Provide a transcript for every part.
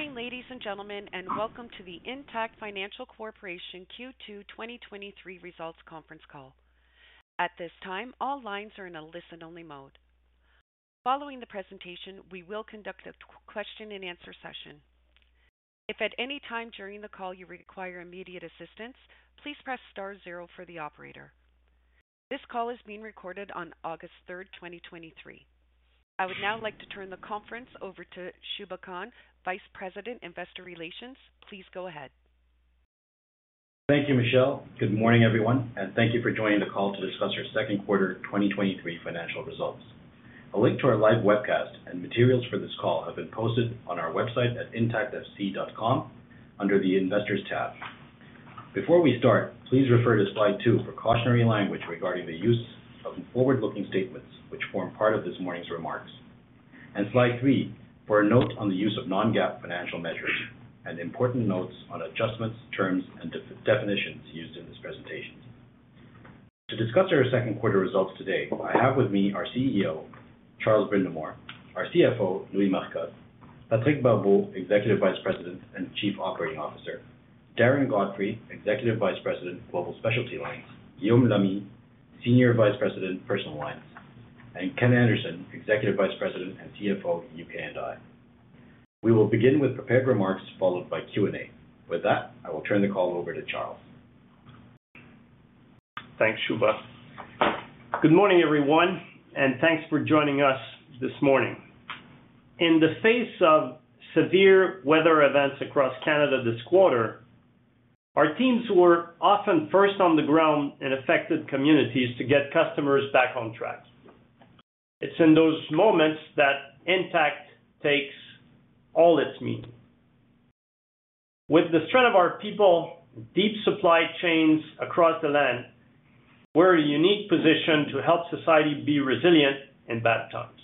Good morning, ladies and gentlemen, and welcome to the Intact Financial Corporation Q2 2023 Results Conference Call. At this time, all lines are in a listen-only mode. Following the presentation, we will conduct a question and answer session. If at any time during the call you require immediate assistance, please press star zero for the operator. This call is being recorded on August 3, 2023. I would now like to turn the conference over to Shubha Khan, Vice President, Investor Relations. Please go ahead. Thank you, Michelle. Good morning, everyone, and thank you for joining the call to discuss our second quarter 2023 financial results. A link to our live webcast and materials for this call have been posted on our website at intactfc.com under the Investors tab. Before we start, please refer to slide two for cautionary language regarding the use of forward-looking statements, which form part of this morning's remarks, and slide three for a note on the use of non-GAAP financial measures and important notes on adjustments, terms, and definitions used in this presentation. To discuss our second quarter results today, I have with me our CEO, Charles Brindamour, our CFO, Louis Marcotte, Patrick Barbeau, Executive Vice President and Chief Operating Officer, Godfrey, Executive Vice President, Global Specialty Lines, Guillaume Lamy, Senior Vice President, Personal Lines, and Ken Anderson, Executive Vice President and CFO, UK and I. We will begin with prepared remarks, followed by Q&A. With that, I will turn the call over to Charles. Thanks, Shubha. Good morning, everyone, thanks for joining us this morning. In the face of severe weather events across Canada this quarter, our teams were often first on the ground in affected communities to get customers back on track. It's in those moments that Intact takes all its meaning. With the strength of our people, deep supply chains across the land, we're in a unique position to help society be resilient in bad times.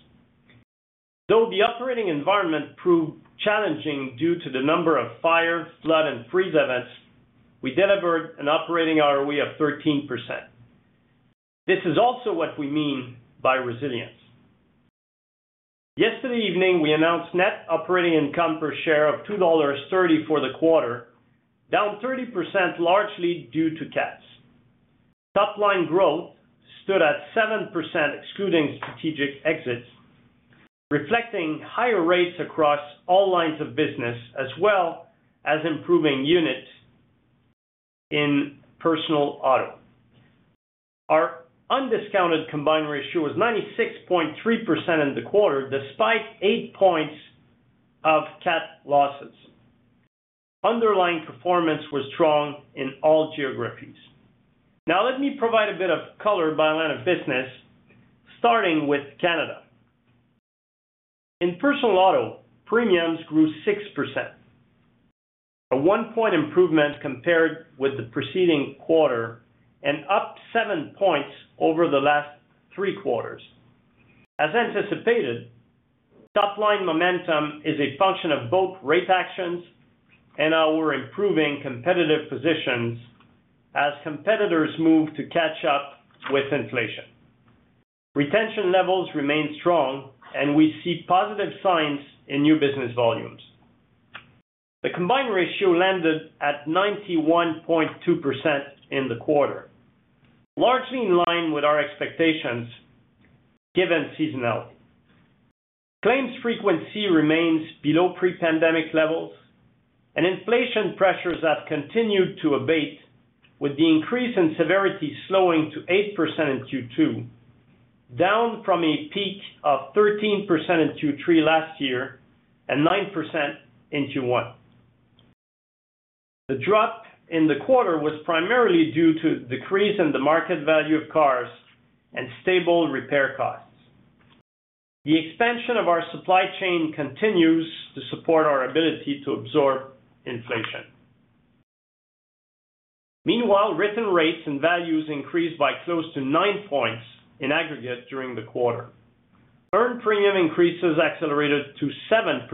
Though the operating environment proved challenging due to the number of fire, flood, and freeze events, we delivered an operating ROE of 13%. This is also what we mean by resilience. Yesterday evening, we announced net operating income per share of $2.30 for the quarter, down 30%, largely due to CATs. Top line growth stood at 7%, excluding strategic exits, reflecting higher rates across all lines of business, as well as improving units in personal auto. Our undiscounted combined ratio was 96.3% in the quarter, despite eight points of CAT losses. Underlying performance was strong in all geographies. Now, let me provide a bit of color by line of business, starting with Canada. In personal auto, premiums grew 6%, a one-point improvement compared with the preceding quarter and up seven points over the last three quarters. As anticipated, top-line momentum is a function of both rate actions and our improving competitive positions as competitors move to catch up with inflation. Retention levels remain strong, and we see positive signs in new business volumes. The combined ratio landed at 91.2% in the quarter, largely in line with our expectations, given seasonality. Claims frequency remains below pre-pandemic levels and inflation pressures have continued to abate, with the increase in severity slowing to 8% in Q2, down from a peak of 13% in Q3 last year and 9% in Q1. The drop in the quarter was primarily due to a decrease in the market value of cars and stable repair costs. The expansion of our supply chain continues to support our ability to absorb inflation. Meanwhile, written rates and values increased by close to nine points in aggregate during the quarter. Earned premium increases accelerated to 7%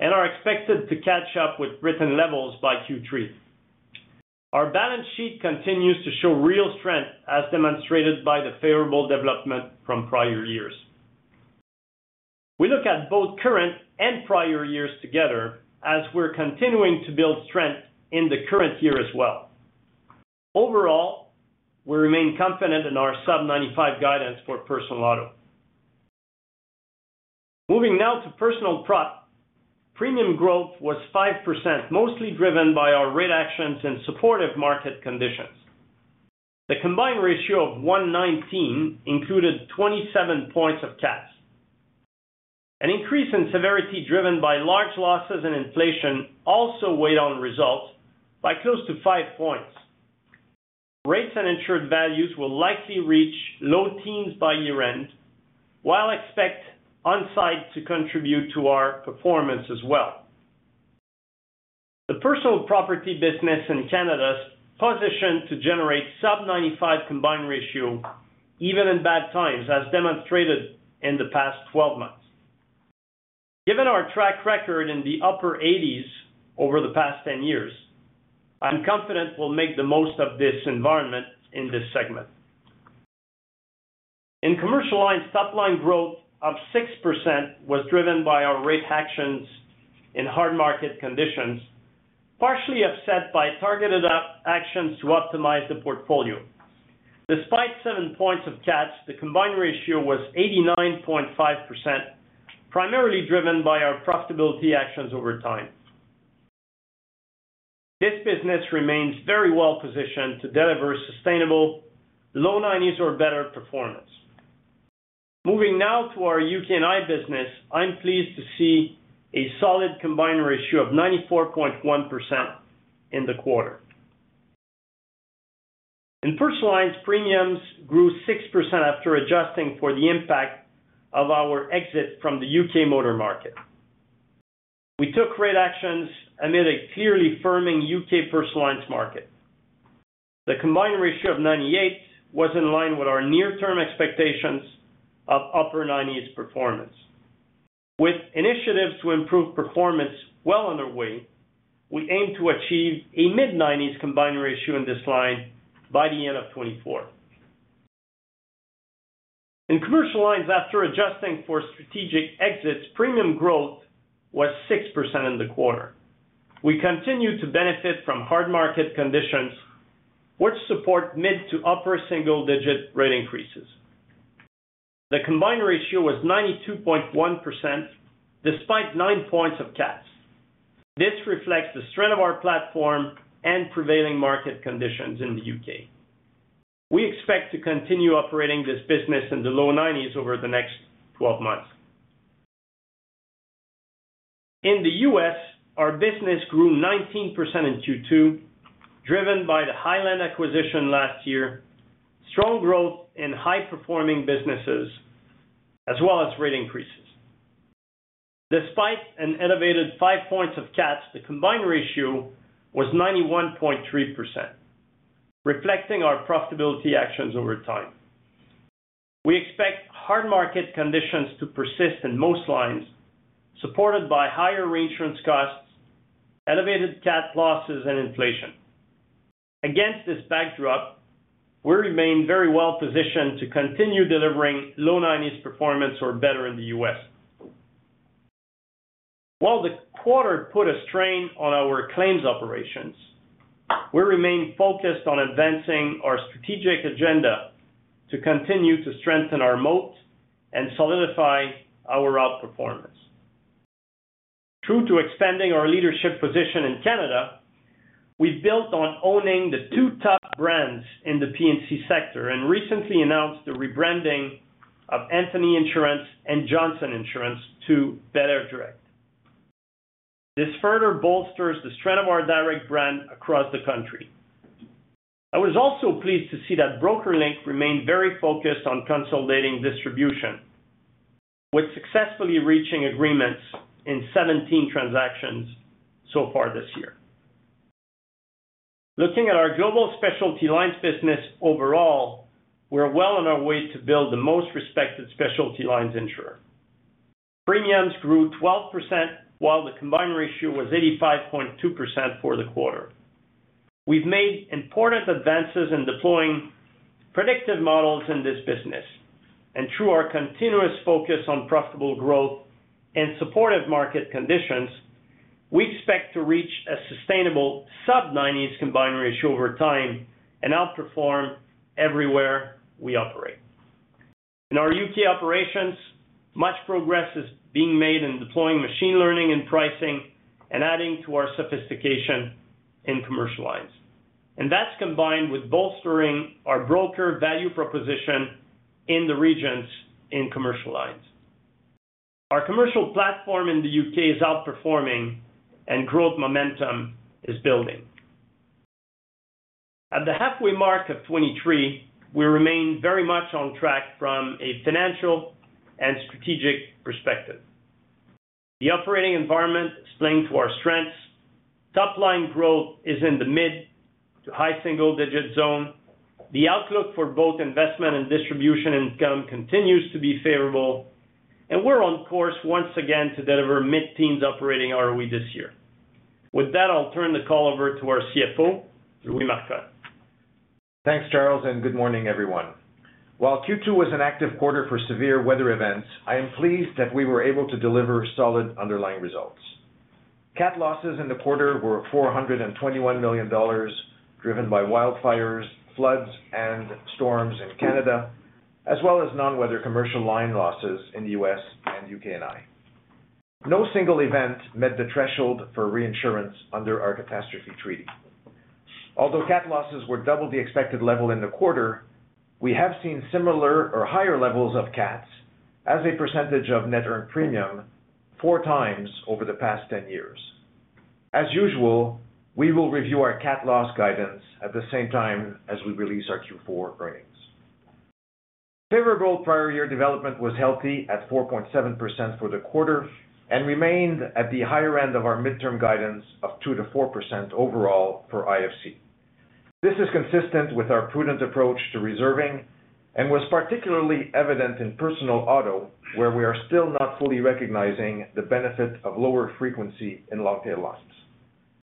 and are expected to catch up with written levels by Q3. Our balance sheet continues to show real strength, as demonstrated by the favorable development from prior years. We look at both current and prior years together as we're continuing to build strength in the current year as well. Overall, we remain confident in our sub-95 guidance for personal auto. Moving now to personal prop, premium growth was 5%, mostly driven by our rate actions and supportive market conditions. The combined ratio of 119 included 27 points of CATs. An increase in severity driven by large losses and inflation also weighed on results by close to five points. Rates and insured values will likely reach low teens by year-end, while expect on-site to contribute to our performance as well. The personal property business in Canada is positioned to generate sub-95 combined ratio, even in bad times, as demonstrated in the past 12 months. Given our track record in the upper eighties over the past 10 years, I am confident we'll make the most of this environment in this segment. In commercial lines, top line growth of 6% was driven by our rate actions in hard market conditions, partially offset by targeted up actions to optimize the portfolio. Despite seven points of CATs, the combined ratio was 89.5%, primarily driven by our profitability actions over time. This business remains very well positioned to deliver sustainable low nineties or better performance. Moving now to our UK & Ireland business, I'm pleased to see a solid combined ratio of 94.1% in the quarter. In personal lines, premiums grew 6% after adjusting for the impact of our exit from the UK motor market. We took great actions amid a clearly firming UK personal lines market. The combined ratio of 98 was in line with our near-term expectations of upper nineties performance. With initiatives to improve performance well underway, we aim to achieve a mid-90s combined ratio in this line by the end of 2024. In commercial lines, after adjusting for strategic exits, premium growth was 6% in the quarter. We continue to benefit from hard market conditions, which support mid to upper single-digit rate increases. The combined ratio was 92.1%, despite nine points of CATs. This reflects the strength of our platform and prevailing market conditions in the U.K. We expect to continue operating this business in the low 90s over the next 12 months. In the U.S., our business grew 19% in Q2, driven by the Highland acquisition last year, strong growth in high-performing businesses, as well as rate increases. Despite an elevated 5 points of CATs, the combined ratio was 91.3%, reflecting our profitability actions over time. We expect hard market conditions to persist in most lines, supported by higher reinsurance costs, elevated CAT losses, and inflation. Against this backdrop, we remain very well positioned to continue delivering low 90s performance or better in the U.S. While the quarter put a strain on our claims operations, we remain focused on advancing our strategic agenda to continue to strengthen our moat and solidify our outperformance. True to extending our leadership position in Canada, we built on owning the two top brands in the P&C sector and recently announced the rebranding of Anthony Insurance and Johnson Insurance to belairdirect. This further bolsters the strength of our direct brand across the country. I was also pleased to see that BrokerLink remained very focused on consolidating distribution, with successfully reaching agreements in 17 transactions so far this year. Looking at our global specialty lines business overall, we're well on our way to build the most respected specialty lines insurer. Premiums grew 12%, while the combined ratio was 85.2% for the quarter. We've made important advances in deploying predictive models in this business. Through our continuous focus on profitable growth and supportive market conditions, we expect to reach a sustainable sub-90s combined ratio over time and outperform everywhere we operate. In our U.K. operations, much progress is being made in deploying machine learning and pricing and adding to our sophistication in commercial lines. That's combined with bolstering our broker value proposition in the regions in commercial lines. Our commercial platform in the U.K. is outperforming and growth momentum is building. At the halfway mark of 2023, we remain very much on track from a financial and strategic perspective. The operating environment is playing to our strengths. Top line growth is in the mid to high single digit zone. The outlook for both investment and distribution income continues to be favorable. We're on course once again to deliver mid-teens operating ROE this year. With that, I'll turn the call over to our CFO, Louis Marcotte. Thanks, Charles, and good morning, everyone. While Q2 was an active quarter for severe weather events, I am pleased that we were able to deliver solid underlying results. CAT losses in the quarter were 421 million dollars, driven by wildfires, floods, and storms in Canada, as well as non-weather commercial line losses in the U.S. and UK & Ireland. No single event met the threshold for reinsurance under our catastrophe treaty. Although CAT losses were double the expected level in the quarter, we have seen similar or higher levels of CATs as a percentage of net earned premium four times over the past 10 years. As usual, we will review our CAT loss guidance at the same time as we release our Q4 earnings. Favorable prior year development was healthy at 4.7% for the quarter and remained at the higher end of our midterm guidance of 2%-4% overall for IFC. This is consistent with our prudent approach to reserving and was particularly evident in personal auto, where we are still not fully recognizing the benefit of lower frequency in long tail losses.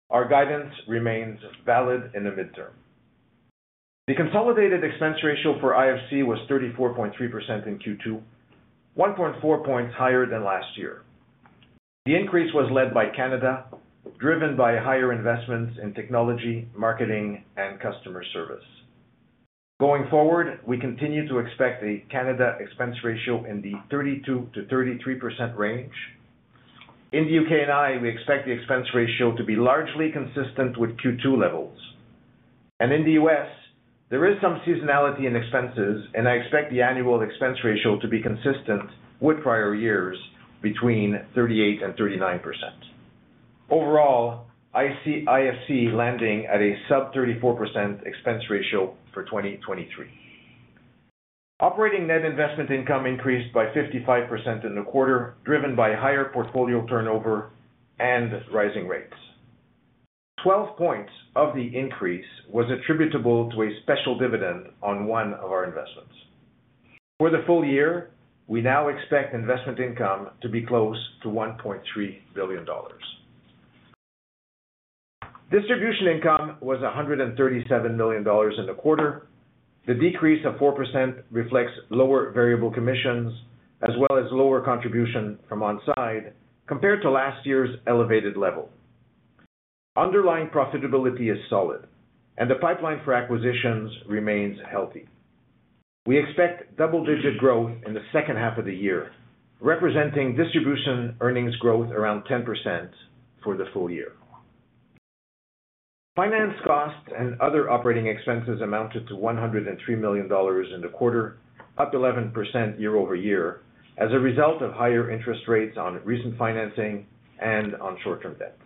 Our guidance remains valid in the midterm. The consolidated expense ratio for IFC was 34.3% in Q2, 1.4 points higher than last year. The increase was led by Canada, driven by higher investments in technology, marketing, and customer service. Going forward, we continue to expect a Canada expense ratio in the 32%-33% range. In the UK and Ireland, we expect the expense ratio to be largely consistent with Q2 levels. In the U.S., there is some seasonality in expenses, and I expect the annual expense ratio to be consistent with prior years between 38%-39%. Overall, I see IFC landing at a sub 34% expense ratio for 2023. Operating net investment income increased by 55% in the quarter, driven by higher portfolio turnover and rising rates. 12 points of the increase was attributable to a special dividend on one of our investments. For the full year, we now expect investment income to be close to 1.3 billion dollars. Distribution income was 137 million dollars in the quarter. The decrease of 4% reflects lower variable commissions, as well as lower contribution from on-site compared to last year's elevated level. Underlying profitability is solid, and the pipeline for acquisitions remains healthy. We expect double-digit growth in the second half of the year, representing distribution earnings growth around 10% for the full year. Finance costs and other operating expenses amounted to $103 million in the quarter, up 11% year-over-year, as a result of higher interest rates on recent financing and on short-term debt.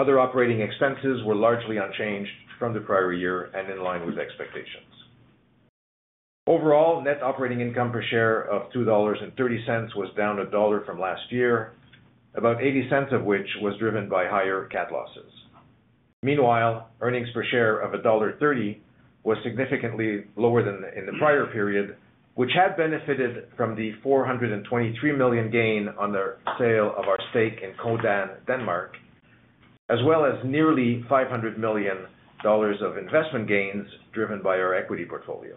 Other operating expenses were largely unchanged from the prior year and in line with expectations. Overall, Operating net income per share of $2.30 was down $1 from last year, about $0.80 of which was driven by higher CAT losses. Meanwhile, earnings per share of $1.30 was significantly lower than in the prior period, which had benefited from the $423 million gain on the sale of our stake in Codan, Denmark, as well as nearly $500 million of investment gains driven by our equity portfolio.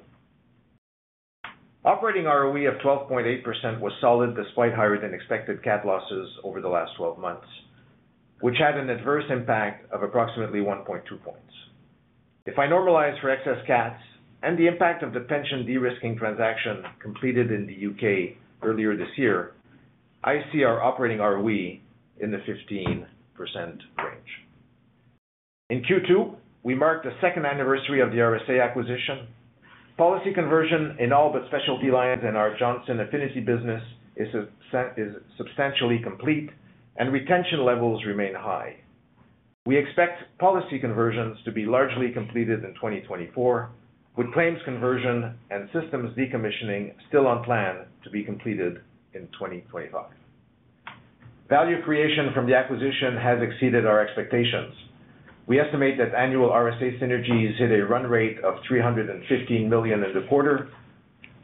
Operating ROE of 12.8% was solid, despite higher than expected CAT losses over the last 12 months, which had an adverse impact of approximately 1.2 points. If I normalize for excess CATs and the impact of the pension de-risking transaction completed in the U.K. earlier this year, I see our operating ROE in the 15% range. In Q2, we marked the second anniversary of the RSA acquisition. Policy conversion in all but specialty lines in our Johnson Affinity business is substantially complete and retention levels remain high. We expect policy conversions to be largely completed in 2024, with claims conversion and systems decommissioning still on plan to be completed in 2025. Value creation from the acquisition has exceeded our expectations. We estimate that annual RSA synergies hit a run rate of 315 million in the quarter.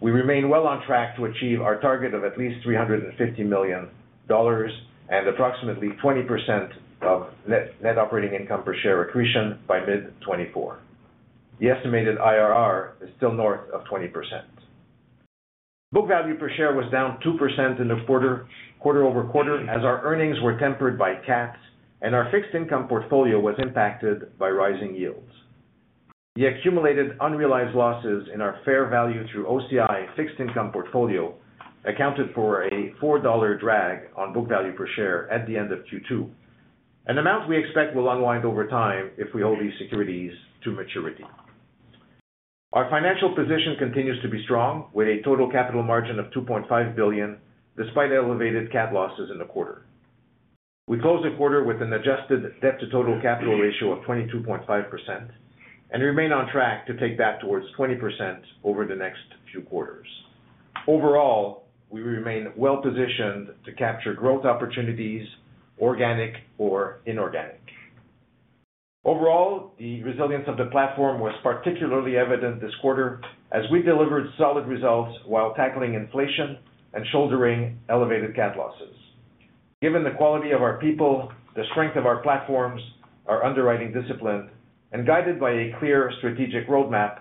We remain well on track to achieve our target of at least 350 million dollars and approximately 20% of net, net operating income per share accretion by mid-2024. The estimated IRR is still north of 20%. Book value per share was down 2% in the quarter, quarter-over-quarter, as our earnings were tempered by CATs and our fixed income portfolio was impacted by rising yields. The accumulated unrealized losses in our fair value through OCI fixed income portfolio accounted for a $4 drag on book value per share at the end of Q2, an amount we expect will unwind over time if we hold these securities to maturity. Our financial position continues to be strong, with a total capital margin of $2.5 billion, despite elevated CAT losses in the quarter. We closed the quarter with an adjusted debt to total capital ratio of 22.5% and remain on track to take that towards 20% over the next few quarters. Overall, we remain well positioned to capture growth opportunities, organic or inorganic. Overall, the resilience of the platform was particularly evident this quarter as we delivered solid results while tackling inflation and shouldering elevated CAT losses. Given the quality of our people, the strength of our platforms, our underwriting discipline, and guided by a clear strategic roadmap,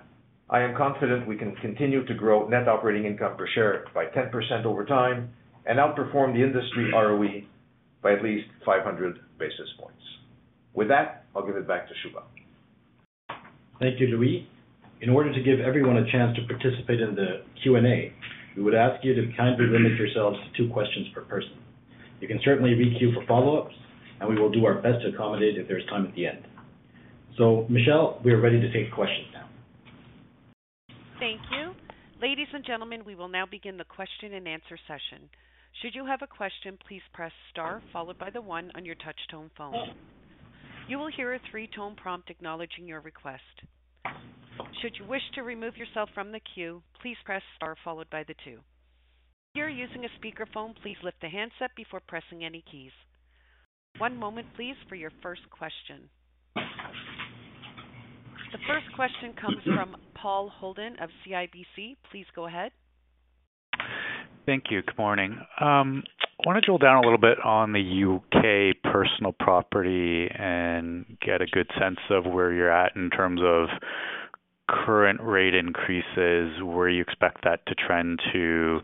I am confident we can continue to grow Operating Net Income Per Share by 10% over time and outperform the industry ROE by at least 500 basis points. With that, I'll give it back to Shubha. Thank you, Louis. In order to give everyone a chance to participate in the Q&A, we would ask you to kindly limit yourselves to two questions per person. You can certainly queue for follow-ups, and we will do our very best to accommodate if there's time at the end. Michelle, we are ready to take questions now. Thank you. Ladies and gentlemen, we will now begin the question and answer session. Should you have a question, please press star followed by the one on your touch tone phone. You will hear a three-tone prompt acknowledging your request. Should you wish to remove yourself from the queue, please press star followed by the two. If you're using a speakerphone, please lift the handset before pressing any keys. One moment, please, for your first question. The first question comes from Paul Holden of CIBC. Please go ahead. Thank you. Good morning. I want to drill down a little bit on the U.K. personal property and get a good sense of where you're at in terms of current rate increases, where you expect that to trend to,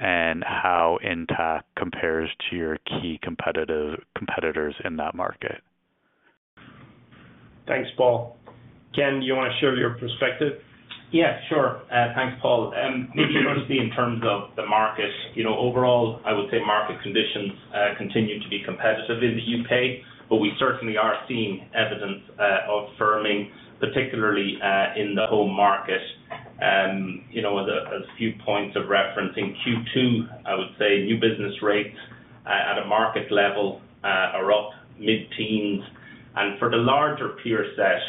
and how Intact compares to your key competitors in that market. Thanks, Paul. Ken, you want to share your perspective? Yeah, sure. Thanks, Paul. Maybe firstly, in terms of the market, you know, overall, I would say market conditions continue to be competitive in the U.K., but we certainly are seeing evidence of firming, particularly in the home market. You know, as, as few points of reference in Q2, I would say new business rates at a market level are up mid-teens. For the larger peer set,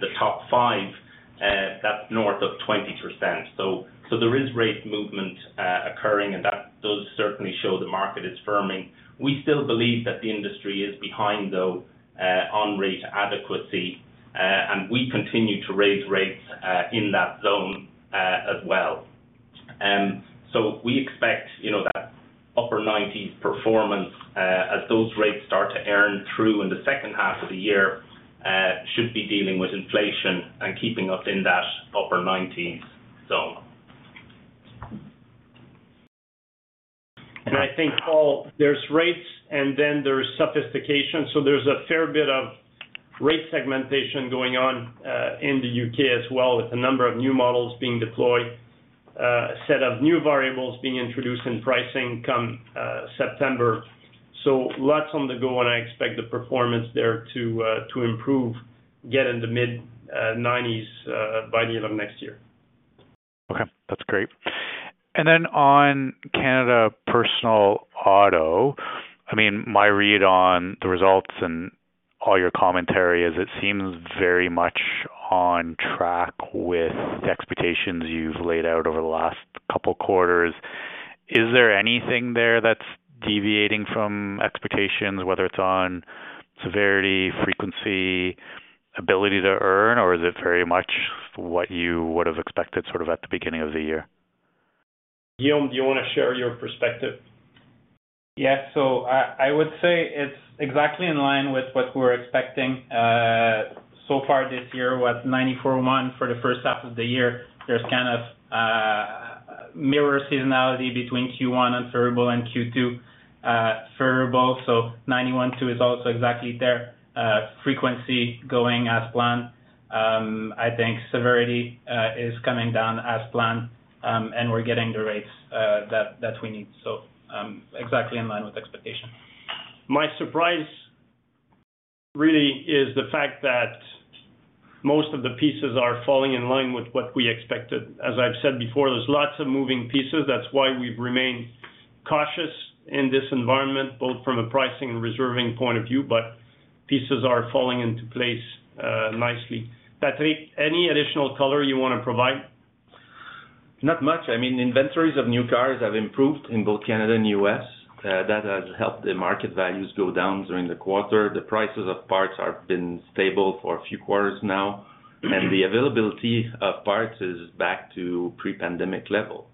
the top five, that's north of 20%. There is rate movement occurring, and that does certainly show the market is firming. We still believe that the industry is behind, though, on rate adequacy, and we continue to raise rates in that zone as well. We expect, you know, that upper nineties performance, as those rates start to earn through in the second half of the year, should be dealing with inflation and keeping us in that upper nineties zone. I think, Paul, there's rates and then there is sophistication, so there's a fair bit of rate segmentation going on in the UK as well, with a number of new models being deployed, a set of new variables being introduced in pricing come September. Lots on the go, and I expect the performance there to improve, get in the mid-90s by the end of next year. Okay, that's great. Then on Canada personal auto, I mean, my read on the results and all your commentary is it seems very much on track with the expectations you've laid out over the last couple quarters. Is there anything there that's deviating from expectations, whether it's on severity, frequency, ability to earn, or is it very much what you would have expected sort of at the beginning of the year? Guillaume, do you want to share your perspective? Yes. I, I would say it's exactly in line with what we're expecting. So far this year, with 94 month for the first half of the year, there's kind of mirror seasonality between Q1 and variable and Q2 variable. 91.2 is also exactly there, frequency going as planned. I think severity is coming down as planned, and we're getting the rates that we need. Exactly in line with expectation. My surprise really is the fact that most of the pieces are falling in line with what we expected. As I've said before, there's lots of moving pieces. That's why we've remained cautious in this environment, both from a pricing and reserving point of view, but pieces are falling into place nicely. Patrick, any additional color you want to provide? Not much. I mean, inventories of new cars have improved in both Canada and U.S. That has helped the market values go down during the quarter. The prices of parts are been stable for a few quarters now, the availability of parts is back to pre-pandemic level.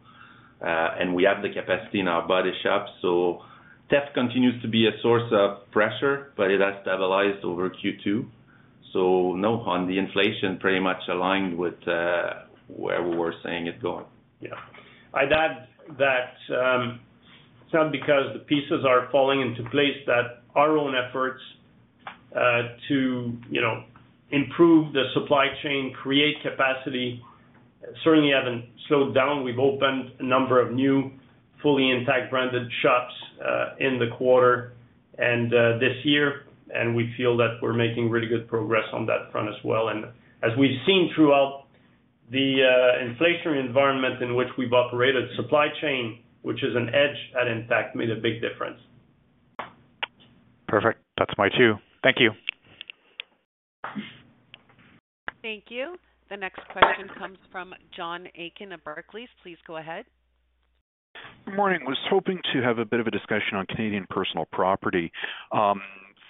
We have the capacity in our body shops, theft continues to be a source of pressure, but it has stabilized over Q2. No, on the inflation, pretty much aligned with where we were saying it's going. Yeah. I'd add that, it's not because the pieces are falling into place, that our own efforts, to you know, improve the supply chain, create capacity, certainly haven't slowed down. We've opened a number of new fully Intact branded shops, in the quarter and, this year, and we feel that we're making really good progress on that front as well. As we've seen throughout the, inflationary environment in which we've operated, supply chain, which is an edge at Intact, made a big difference. Perfect. That's my two. Thank you. Thank you. The next question comes from John Aiken of Barclays. Please go ahead. Good morning. I was hoping to have a bit of a discussion on Canadian personal property.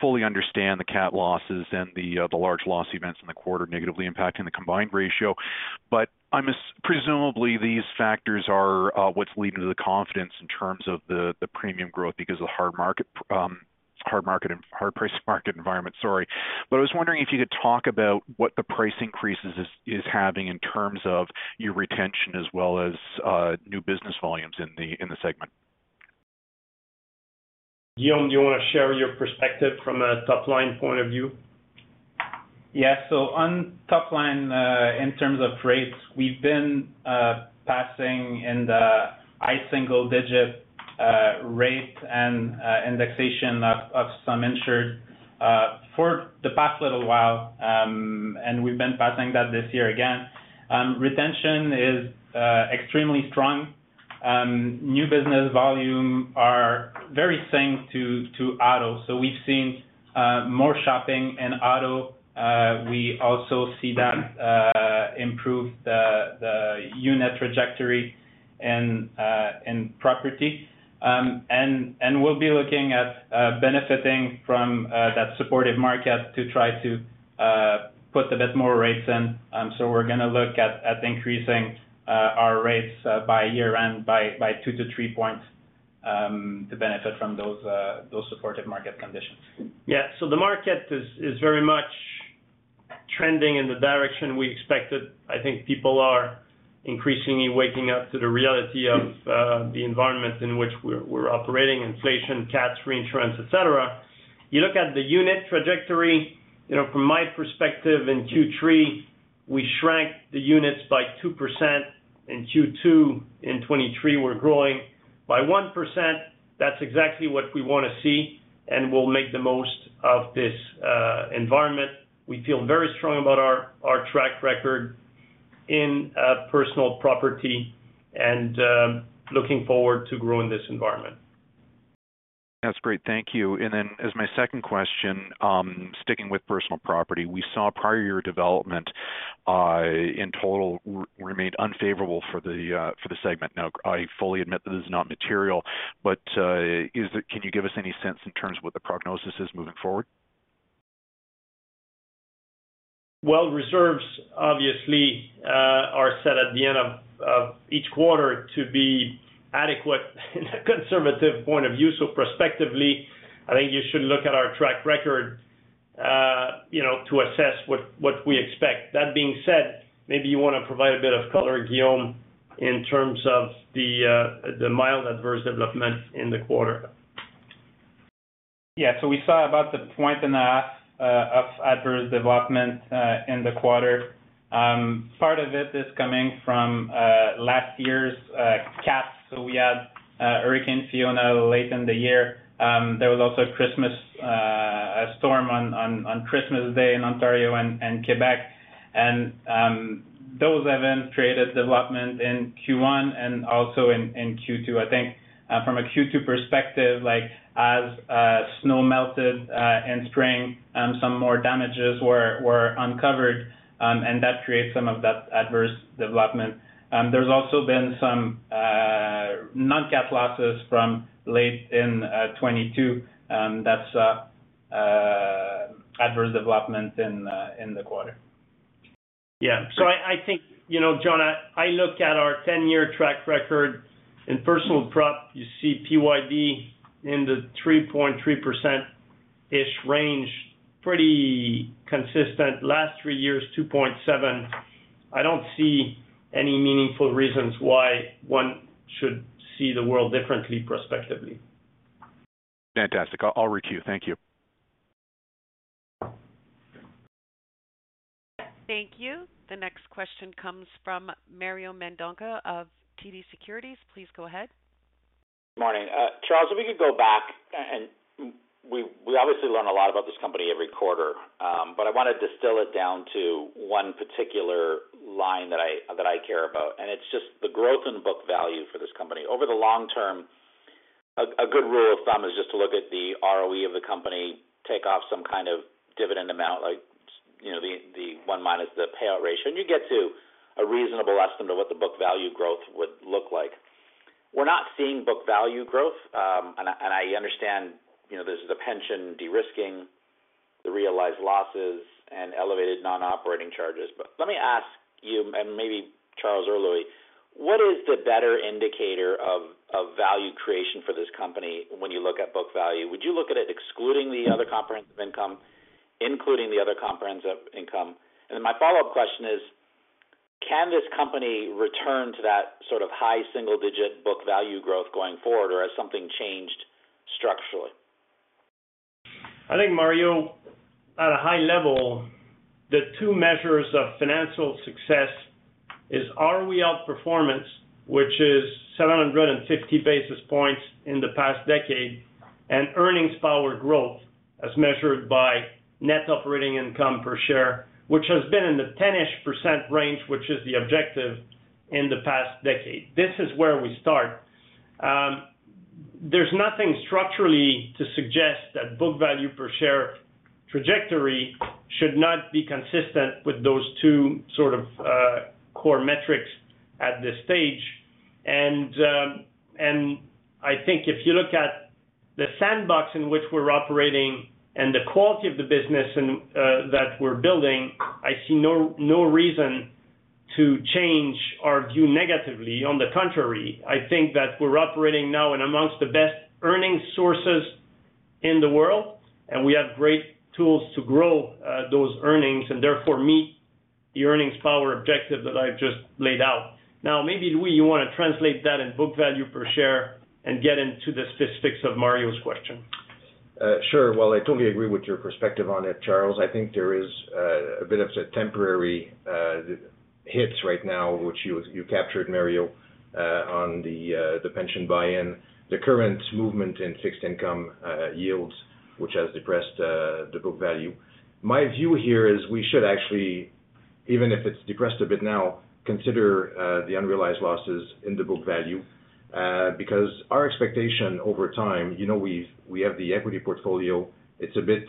fully understand the CAT losses and the large loss events in the quarter negatively impacting the combined ratio. I'm presumably, these factors are what's leading to the confidence in terms of the premium growth because of the hard market, hard market and hard price market environment. Sorry. I was wondering if you could talk about what the price increases is, is having in terms of your retention as well as new business volumes in the segment. Guillaume, do you want to share your perspective from a top-line point of view? Yeah. On top line, in terms of rates, we've been passing in the high single digit rate and indexation of some insured for the past little while, and we've been passing that this year again. Retention is extremely strong. New business volume are very similar to auto. We've seen more shopping in auto. We also see that improve unit trajectory in property. And we'll be looking at benefiting from that supportive market to try to put a bit more rates in. We're gonna look at increasing our rates by year-end by 2-3 points to benefit from those supportive market conditions. Yeah. The market is, is very much trending in the direction we expected. I think people are increasingly waking up to the reality of the environment in which we're operating: inflation, CATs, reinsurance, et cetera. You look at the unit trajectory, you know, from my perspective, in Q3, we shrank the units by 2%. In Q2, in 2023, we're growing by 1%. That's exactly what we want to see, and we'll make the most of this environment. We feel very strong about our track record in personal property and looking forward to grow in this environment. That's great. Thank you. As my second question, sticking with personal property, we saw prior year development, in total remained unfavorable for the for the segment. I fully admit that this is not material. Can you give us any sense in terms of what the prognosis is moving forward? Well, reserves obviously, are set at the end of each quarter to be adequate in a conservative point of view. Prospectively, I think you should look at our track record, you know, to assess what we expect. That being said, maybe you want to provide a bit of color Guillaume, in terms of the mild adverse development in the quarter. Yeah. We saw about 1.5 points of adverse development in the quarter. Part of it is coming from last year's CAT. We had Hurricane Fiona late in the year. There was also a Christmas storm on Christmas Day in Ontario and Quebec. Those events created development in Q1 and also in Q2. I think, from a Q2 perspective, like, as snow melted in spring, some more damages were uncovered, and that creates some of that adverse development. There's also been some non-CAT losses from late in 2022, that's adverse development in the quarter. Yeah. I think, you know, John, I look at our 10-year track record. In personal prop, you see PYV in the 3.3%-ish range, pretty consistent. Last three years, 2.7. I don't see any meaningful reasons why one should see the world differently prospectively. Fantastic. I'll route you. Thank you. Thank you. The next question comes from Mario Mendonca of TD Securities. Please go ahead. Morning. Charles, if we could go back, and we, we obviously learn a lot about this company every quarter, but I want to distill it down to one particular line that I care about, and it's just the growth in book value for this company. Over the long term a good rule of thumb is just to look at the ROE of the company, take off some kind of dividend amount, like, you know, the one minus the payout ratio, and you get to a reasonable estimate of what the book value growth would look like. We're not seeing book value growth, and I understand, you know, there's the pension de-risking, the realized losses, and elevated non-operating charges. Let me ask you, and maybe Charles Louis Marcotte, what is the better indicator of value creation for this company when you look at book value? Would you look at it excluding the other comprehensive income, including the other comprehensive income? Then my follow-up question is: Can this company return to that sort of high single-digit book value growth going forward, or has something changed structurally? I think, Mario, at a high level, the two measures of financial success is, are we outperformance, which is 750 basis points in the past decade, and earnings power growth, as measured by Operating Net Income Per Share, which has been in the 10-ish% range, which is the objective in the past decade. This is where we start. There's nothing structurally to suggest that book value per share trajectory should not be consistent with those two sort of core metrics at this stage. I think if you look at the sandbox in which we're operating and the quality of the business and that we're building, I see no reason to change our view negatively. On the contrary, I think that we're operating now in amongst the best earnings sources in the world, and we have great tools to grow, those earnings, and therefore, meet the earnings power objective that I've just laid out. Now, maybe, Louis, you want to translate that in book value per share and get into the specifics of Mario's question? Sure. Well, I totally agree with your perspective on it, Charles. I think there is a bit of a temporary hits right now, which you, you captured, Mario, on the pension buy-in, the current movement in fixed income yields, which has depressed the book value. My view here is we should actually, even if it's depressed a bit now, consider the unrealized losses in the book value. Because our expectation over time, you know, we've, we have the equity portfolio. It's a bit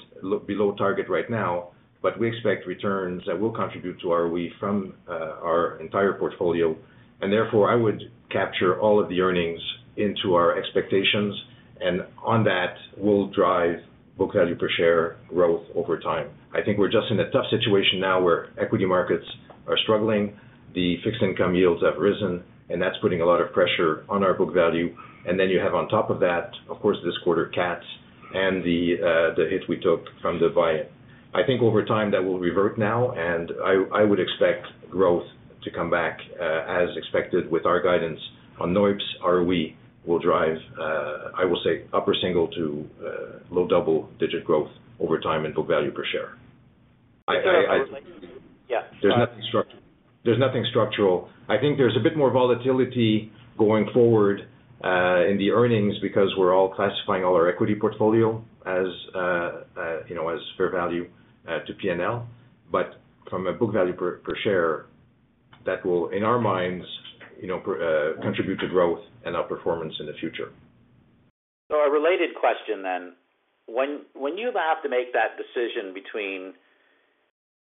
below target right now, but we expect returns that will contribute to our weave from, our entire portfolio, and therefore, I would capture all of the earnings into our expectations, and on that will drive book value per share growth over time. I think we're just in a tough situation now where equity markets are struggling, the fixed income yields have risen, and that's putting a lot of pressure on our book value. Then you have on top of that, of course, this quarter CATs and the, the hit we took from the buy-in. I think over time, that will revert now, and I, I would expect growth to come back, as expected with our guidance on NOIBs, ROE will drive, I will say, upper single to low double-digit growth over time and book value per share. Yeah. There's nothing structural. There's nothing structural. I think there's a bit more volatility going forward, in the earnings because we're all classifying all our equity portfolio as, you know, as fair value to P&L. From a book value per share that will, in our minds, you know, contribute to growth and outperformance in the future. A related question then. When you have to make that decision between,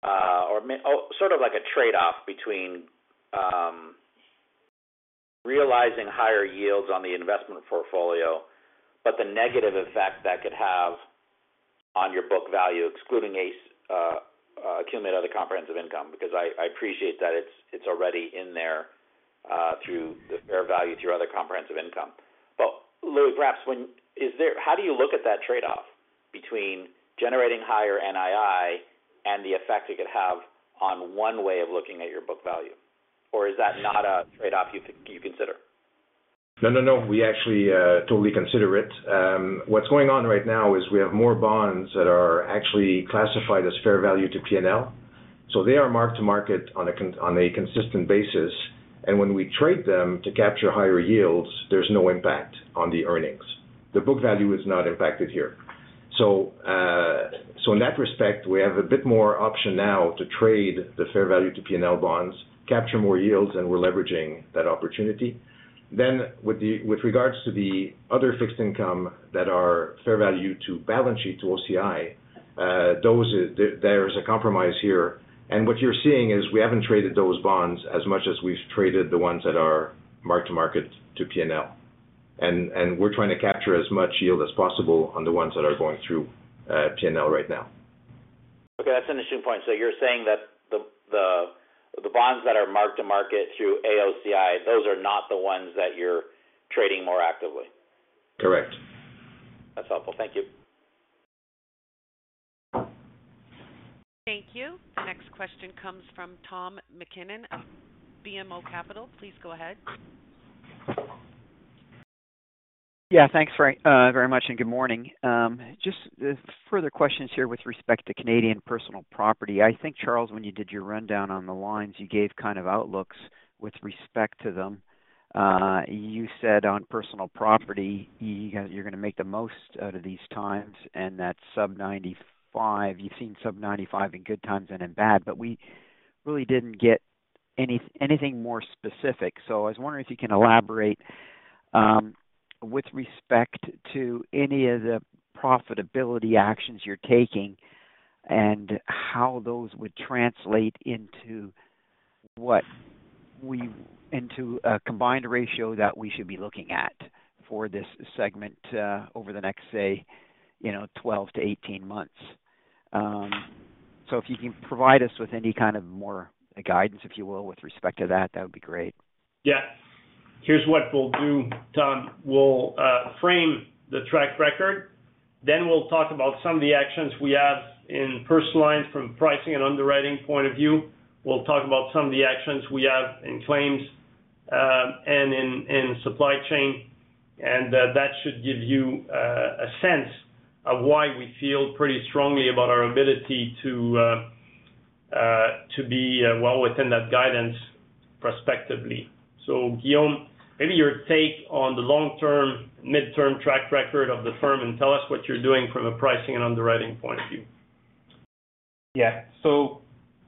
or may-- sort of like a trade-off between realizing higher yields on the investment portfolio, but the negative effect that could have on your book value, excluding ACE, accumulate other comprehensive income, because I, I appreciate that it's, it's already in there, through the fair value, through other comprehensive income. Louis, perhaps, how do you look at that trade-off between generating higher NII and the effect it could have on one way of looking at your book value? Or is that not a trade-off you, you consider? No, we actually totally consider it. What's going on right now is we have more bonds that are actually classified as fair value to P&L, so they are marked to market on a consistent basis. When we trade them to capture higher yields, there's no impact on the earnings. The book value is not impacted here. In that respect, we have a bit more option now to trade the fair value to P&L bonds, capture more yields, and we're leveraging that opportunity. With the with regards to the other fixed income that are fair value to balance sheet, to OCI, there is a compromise here. What you're seeing is we haven't traded those bonds as much as we've traded the ones that are marked to market to P&L. And we're trying to capture as much yield as possible on the ones that are going through P&L right now. Okay, that's an interesting point. You're saying that the bonds that are marked to market through AOCI, those are not the ones that you're trading more actively? Correct. That's helpful. Thank you. Thank you. The next question comes from Tom MacKinnon of BMO Capital. Please go ahead. Yeah, thanks very, very much. Good morning. Just further questions here with respect to Canadian personal property. I think, Charles, when you did your rundown on the lines, you gave kind of outlooks with respect to them. You said on personal property you're going to make the most out of these times, and that sub-95, you've seen sub-95 in good times and in bad, but we really didn't get anything more specific. I was wondering if you can elaborate with respect to any of the profitability actions you're taking and how those would translate into what we into a combined ratio that we should be looking at for this segment over the next, say, you know, 12 to 18 months. If you can provide us with any kind of more guidance, if you will, with respect to that, that would be great. Yeah. Here's what we'll do, Tom. We'll frame the track record, then we'll talk about some of the actions we have in personal lines from pricing and underwriting point of view. We'll talk about some of the actions we have in claims, and in supply chain, and that should give you a sense of why we feel pretty strongly about our ability to be well within that guidance prospectively. Guillaume, maybe your take on the long-term, midterm track record of the firm, and tell us what you're doing from a pricing and underwriting point of view. Yeah.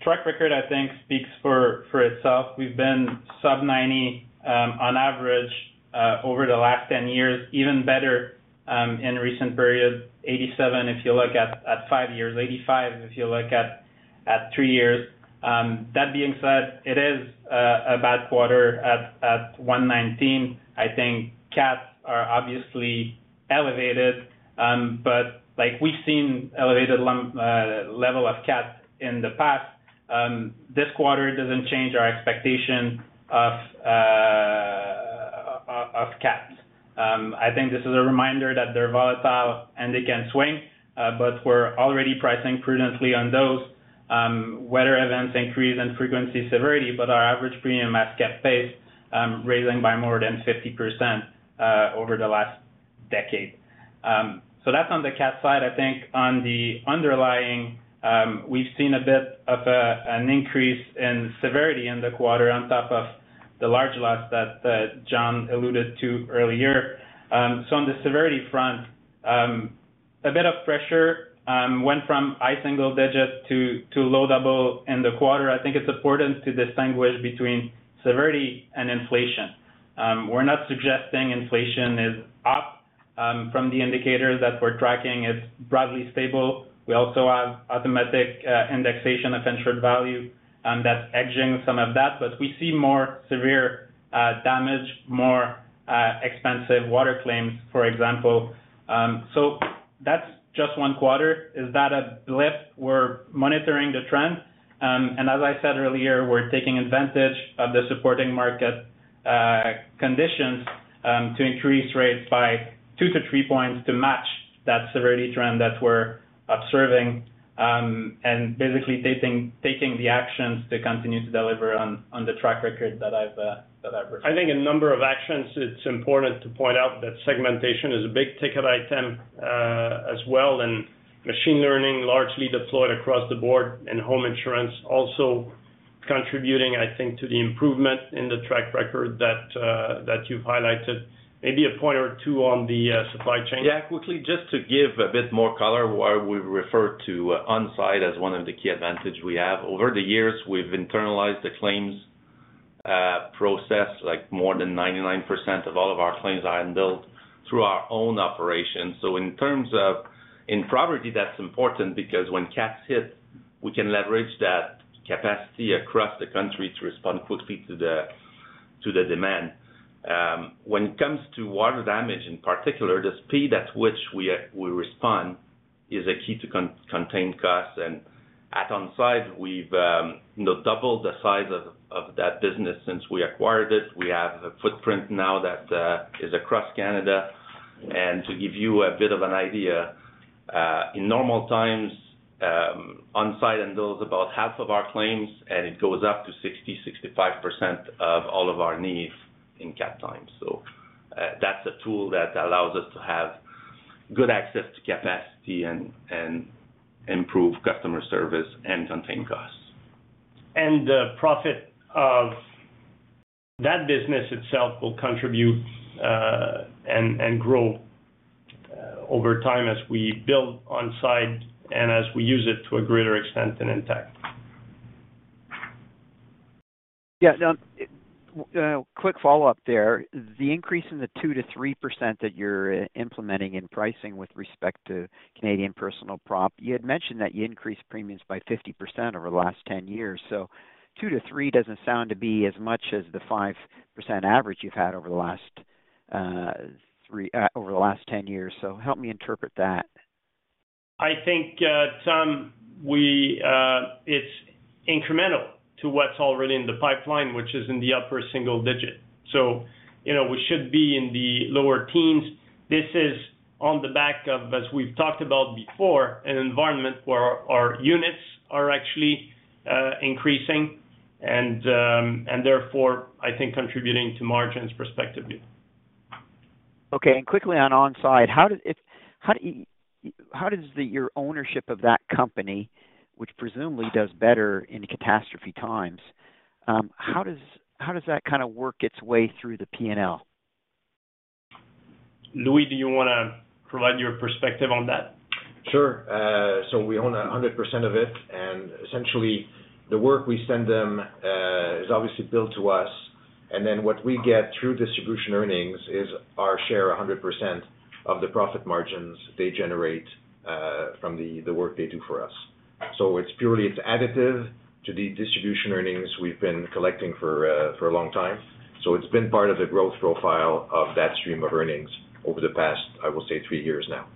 Track record, I think, speaks for itself. We've been sub-90 on average over the last 10 years, even better in recent periods. 87, if you look at five years. 85, if you look at three years. That being said, it is a bad quarter at 119. I think CATs are obviously elevated, but like, we've seen elevated level of CATs in the past. This quarter doesn't change our expectation of CATs. I think this is a reminder that they're volatile and they can swing, but we're already pricing prudently on those. Weather events increase in frequency, severity, but our average premium has kept pace, raising by more than 50% over the last decade. That's on the CAT side. I think on the underlying, we've seen a bit of an increase in severity in the quarter, on top of the large loss that John alluded to earlier. On the severity front,a bit of pressure, went from high single digit to low double in the quarter. I think it's important to distinguish between severity and inflation. We're not suggesting inflation is up from the indicators that we're tracking, it's broadly stable. We also have automatic indexation of insured value, and that's edging some of that. But we see more severe damage, more expensive water claims, for example. So that's just one quarter. Is that a blip? We're monitoring the trend, and as I said earlier, we're taking advantage of the supporting market conditions to increase rates by 2-3 points to match that severity trend that we're observing, and basically taking, taking the actions to continue to deliver on, on the track record that I've. I think a number of actions, it's important to point out that segmentation is a big ticket item, as well, and machine learning largely deployed across the board, and home insurance also contributing, I think, to the improvement in the track record that you've highlighted. Maybe a point or two on the supply chain. Yeah, quickly, just to give a bit more color why we refer to Onsite as one of the key advantage we have. Over the years, we've internalized the claims process, like more than 99% of all of our claims are handled through our own operations. In terms of - in property, that's important because when CATs hit, we can leverage that capacity across the country to respond quickly to the, to the demand. When it comes to water damage, in particular, the speed at which we respond is a key to contain costs. At Onsite, we've, you know, doubled the size of, of that business since we acquired it. We have a footprint now that is across Canada. To give you a bit of an idea, in normal times, Onsite handles about half of our claims, and it goes up to 60-65% of all of our needs in CAT times. That's a tool that allows us to have good access to capacity and, and improve customer service and contain costs. The profit of that business itself will contribute, and, and grow over time as we build on site and as we use it to a greater extent in Intact. Yeah. Now, quick follow-up there. The increase in the 2%-3% that you're implementing in pricing with respect to Canadian personal prop, you had mentioned that you increased premiums by 50% over the last 10 years. 2-3 doesn't sound to be as much as the 5% average you've had over the last 10 years. Help me interpret that. I think, Tom, it's incremental to what's already in the pipeline, which is in the upper single-digit. So, you know, we should be in the lower teens. This is on the back of, as we've talked about before, an environment where our units are actually, increasing and, and therefore, I think, contributing to margins prospectively. Okay. And quickly on Onsite, how does the, your ownership of that company, which presumably does better in catastrophe times, how does that kind of work its way through the P&L? Louis, do you want to provide your perspective on that? Sure. So we own 100% of it, essentially, the work we send them is obviously billed to us. Then what we get through distribution earnings is our share, 100% of the profit margins they generate from the work they do for us. It's purely, it's additive to the distribution earnings we've been collecting for a long time. It's been part of the growth profile of that stream of earnings over the past, I will say, 3 years now.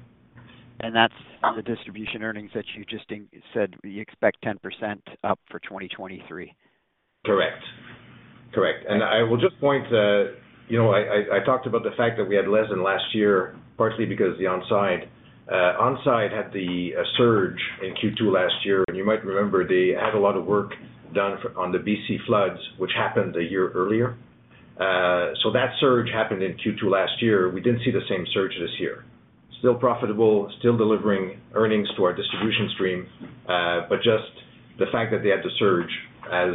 That's the distribution earnings that you just said you expect 10% up for 2023? Correct. Correct. I will just point, you know, I, I, I talked about the fact that we had less than last year, partially because the Onsite. Onsite had the surge in Q2 last year, and you might remember they had a lot of work done for, on the BC floods, which happened a year earlier. That surge happened in Q2 last year. We didn't see the same surge this year. Still profitable, still delivering earnings to our distribution stream, but just the fact that they had the surge has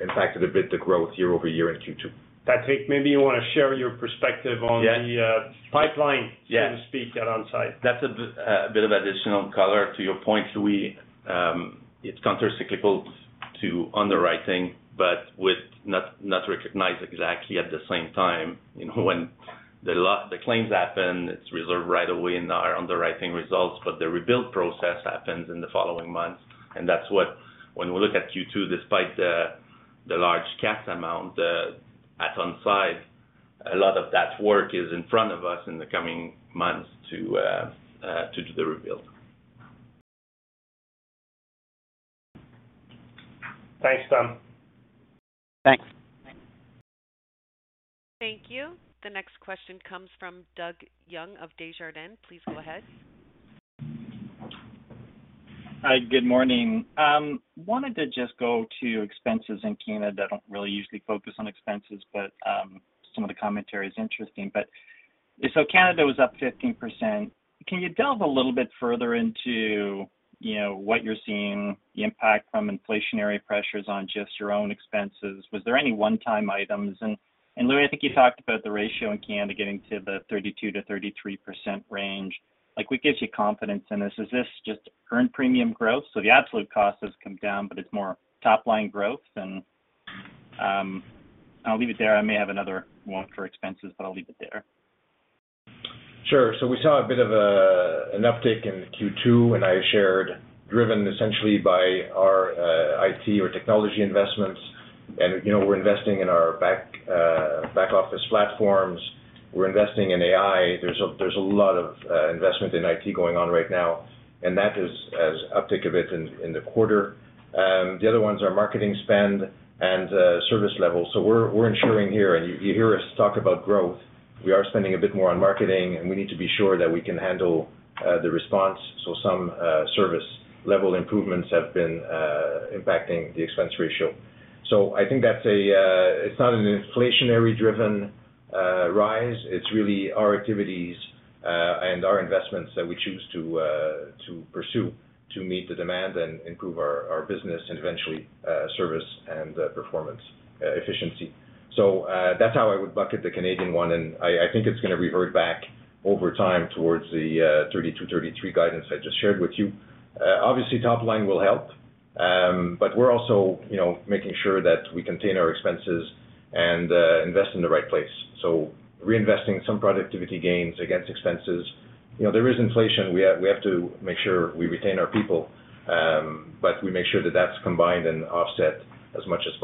impacted a bit the growth year-over-year in Q2. Patrick, maybe you want to share your perspective on- Yeah... the pipeline- Yeah so to speak, at Onsite. That's a bit, a bit of additional color to your point, Louis. It's countercyclical to underwriting, but with not recognized exactly at the same time. You know, when the claims happen, it's reserved right away in our underwriting results, but the rebuild process happens in the following months. And that's what, when we look at Q2, despite the, the large CATs amount, at Intact, a lot of that work is in front of us in the coming months to do the rebuild. Thanks, Tom. Thanks. Thank you. The next question comes from Doug Young of Desjardins. Please go ahead. Hi, good morning. wanted to just go to expenses in Canada. I don't really usually focus on expenses, but, some of the commentary is interesting. Canada was up 15%. Can you delve a little bit further into, you know, what you're seeing, the impact from inflationary pressures on just your own expenses? Was there any one-time items? Louis, I think you talked about the ratio in Canada getting to the 32%-33% range. Like, what gives you confidence in this? Is this just current premium growth? The absolute cost has come down, but it's more top-line growth than, I'll leave it there. I may have another one for expenses, but I'll leave it there. Sure. We saw a bit of an uptick in Q2, and I shared, driven essentially by our IT or technology investments, and, you know, we're investing in our back office platforms. We're investing in AI. There's a lot of investment in IT going on right now, and that is as uptick of it in the quarter. The other ones are marketing spend and service levels. We're ensuring here, and you, you hear us talk about growth. We are spending a bit more on marketing, and we need to be sure that we can handle the response. Some service level improvements have been impacting the expense ratio. I think that's it's not an inflationary-driven rise. It's really our activities and our investments that we choose to pursue, to meet the demand and improve our business and eventually, service and performance efficiency. That's how I would bucket the Canadian one, and I, I think it's gonna revert back over time towards the 32%-33% guidance I just shared with you. Obviously, top line will help. We're also, you know, making sure that we contain our expenses and invest in the right place. Reinvesting some productivity gains against expenses. You know, there is inflation. We have to make sure we retain our people, but we make sure that that's combined and offset as much as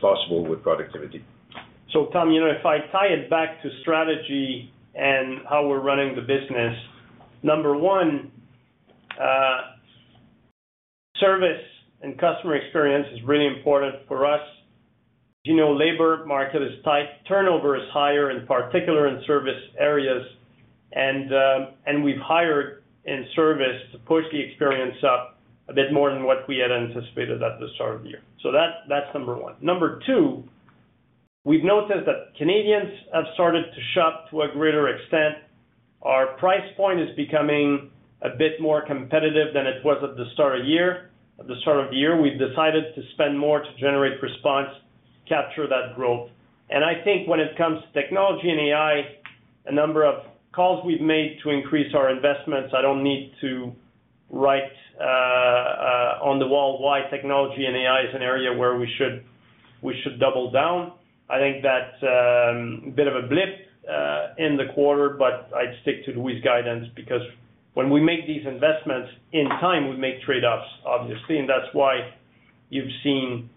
possible with productivity. Tom, you know, if I tie it back to strategy and how we're running the business, one, service and customer experience is really important for us. You know, labor market is tight, turnover is higher, in particular in service areas, and we've hired in service to push the experience up a bit more than what we had anticipated at the start of the year. That's one. Two, we've noticed that Canadians have started to shop to a greater extent. Our price point is becoming a bit more competitive than it was at the start of year. At the start of the year, we've decided to spend more to generate response, capture that growth. I think when it comes to technology and AI, a number of calls we've made to increase our investments, I don't need to write on the wall why technology and AI is an area where we should, we should double down. I think that's a bit of a blip in the quarter, but I'd stick to Louis' guidance. When we make these investments, in time, we make trade-offs, obviously, and that's why you've seen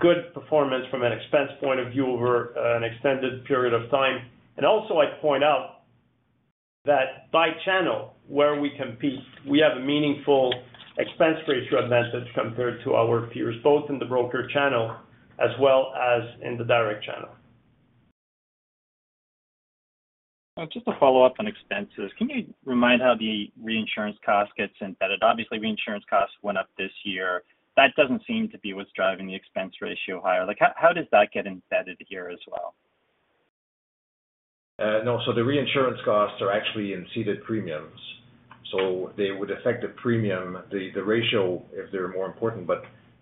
good performance from an expense point of view over an extended period of time. Also, I'd point out that by channel, where we compete, we have a meaningful expense ratio advantage compared to our peers, both in the broker channel as well as in the direct channel. Just to follow up on expenses, can you remind how the reinsurance cost gets embedded? Obviously, reinsurance costs went up this year. That doesn't seem to be what's driving the expense ratio higher. Like, how, how does that get embedded here as well? No, the reinsurance costs are actually in ceded premiums, so they would affect the premium the ratio, if they're more important.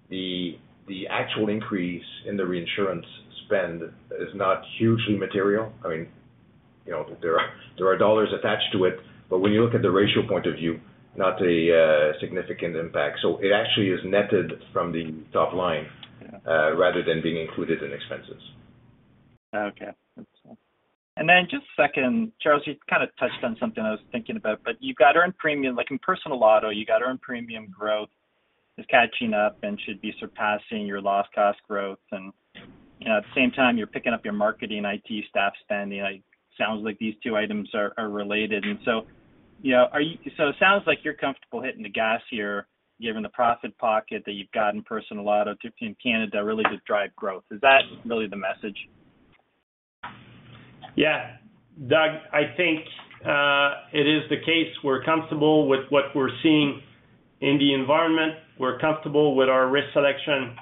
The actual increase in the reinsurance spend is not hugely material. I mean, you know, there are, there are dollars attached to it, but when you look at the ratio point of view, not a significant impact. It actually is netted from the top line, rather than being included in expenses. Okay. That's all. Just second, Charles, you kind of touched on something I was thinking about, but you've got earned premium. Like in personal auto, you got earned premium growth is catching up and should be surpassing your loss cost growth. You know, at the same time, you're picking up your marketing IT staff spending. Like, sounds like these two items are related. You know, so it sounds like you're comfortable hitting the gas here, given the profit pocket that you've got in personal auto in Canada, really to drive growth. Is that really the message? Yeah. Doug, I think it is the case. We're comfortable with what we're seeing in the environment. We're comfortable with our risk selection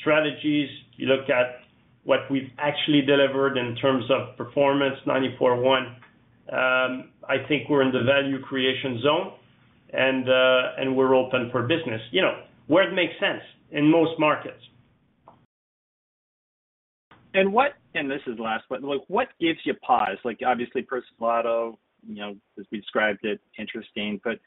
strategies. You look at what we've actually delivered in terms of performance, 94.1. I think we're in the value creation zone, and we're open for business, you know, where it makes sense in most markets. This is the last one. Like, what gives you pause? Like, obviously, personal auto, you know, as we described it, interesting, but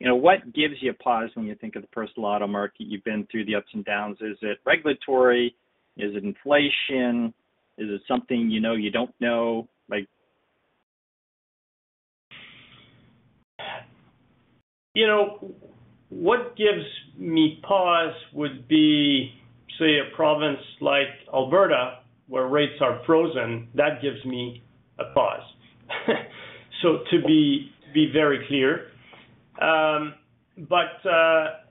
you know, what gives you a pause when you think of the personal auto market? You've been through the ups and downs. Is it regulatory? Is it inflation? Is it something you know you don't know? Like... You know, what gives me pause would be, say, a province like Alberta, where rates are frozen. That gives me a pause. To be, to be very clear.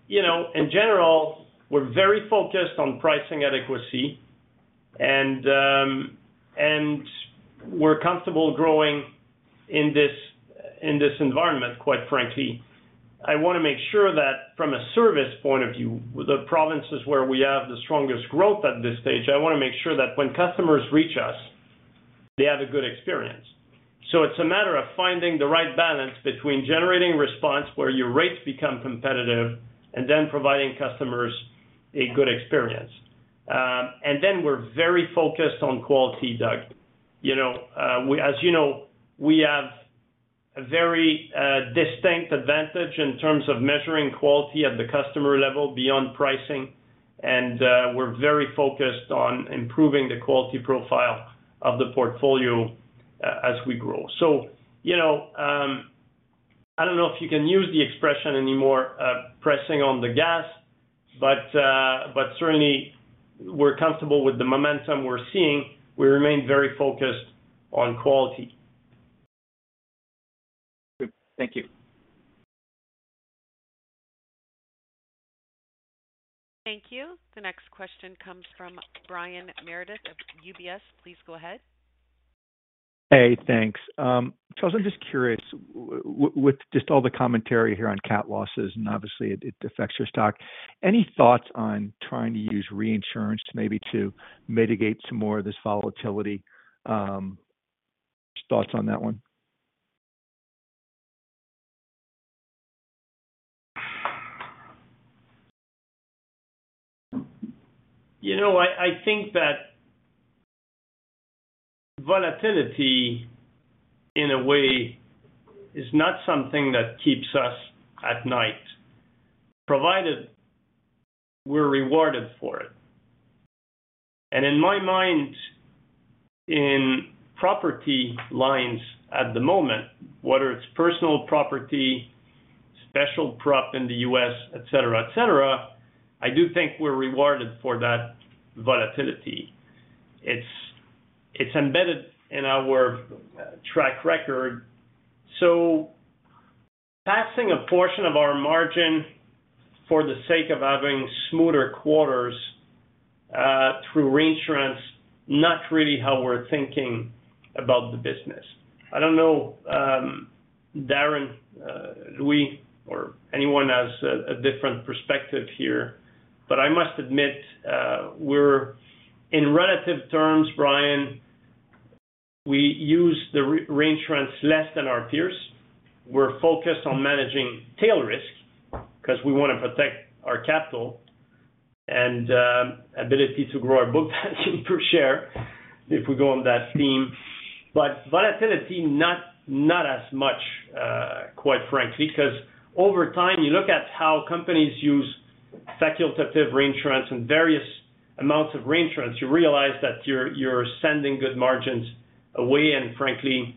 You know, in general, we're very focused on pricing adequacy and we're comfortable growing in this, in this environment, quite frankly. I want to make sure that from a service point of view, the provinces where we have the strongest growth at this stage, I want to make sure that when customers reach us, they have a good experience. It's a matter of finding the right balance between generating response where your rates become competitive, and then providing customers a good experience. We're very focused on quality, Doug. You know, we have a very distinct advantage in terms of measuring quality at the customer level beyond pricing, and we're very focused on improving the quality profile of the portfolio as we grow. You know, I don't know if you can use the expression anymore, pressing on the gas, but certainly we're comfortable with the momentum we're seeing. We remain very focused on quality. Good. Thank you. Thank you. The next question comes from Brian Meredith of UBS. Please go ahead. Hey, thanks. Charles, I'm just curious, with just all the commentary here on CAT losses, and obviously it, it affects your stock. Any thoughts on trying to use reinsurance to maybe to mitigate some more of this volatility? Thoughts on that one? You know, I think that volatility, in a way, is not something that keeps us at night, provided we're rewarded for it. In my mind, in property lines at the moment, whether it's personal property, special prep in the U.S., et cetera, et cetera, I do think we're rewarded for that volatility. It's, it's embedded in our track record. Passing a portion of our margin for the sake of having smoother quarters through reinsurance, not really how we're thinking about the business. I don't know, Darren, Louis, or anyone has a different perspective here. I must admit, we're in relative terms, Brian, we use the re- reinsurance less than our peers. We're focused on managing tail risk, 'cause we want to protect our capital and ability to grow our book value per share, if we go on that theme. Volatility, not, not as much, quite frankly, 'cause over time, you look at how companies use facultative reinsurance and various amounts of reinsurance, you realize that you're, you're sending good margins away, and frankly,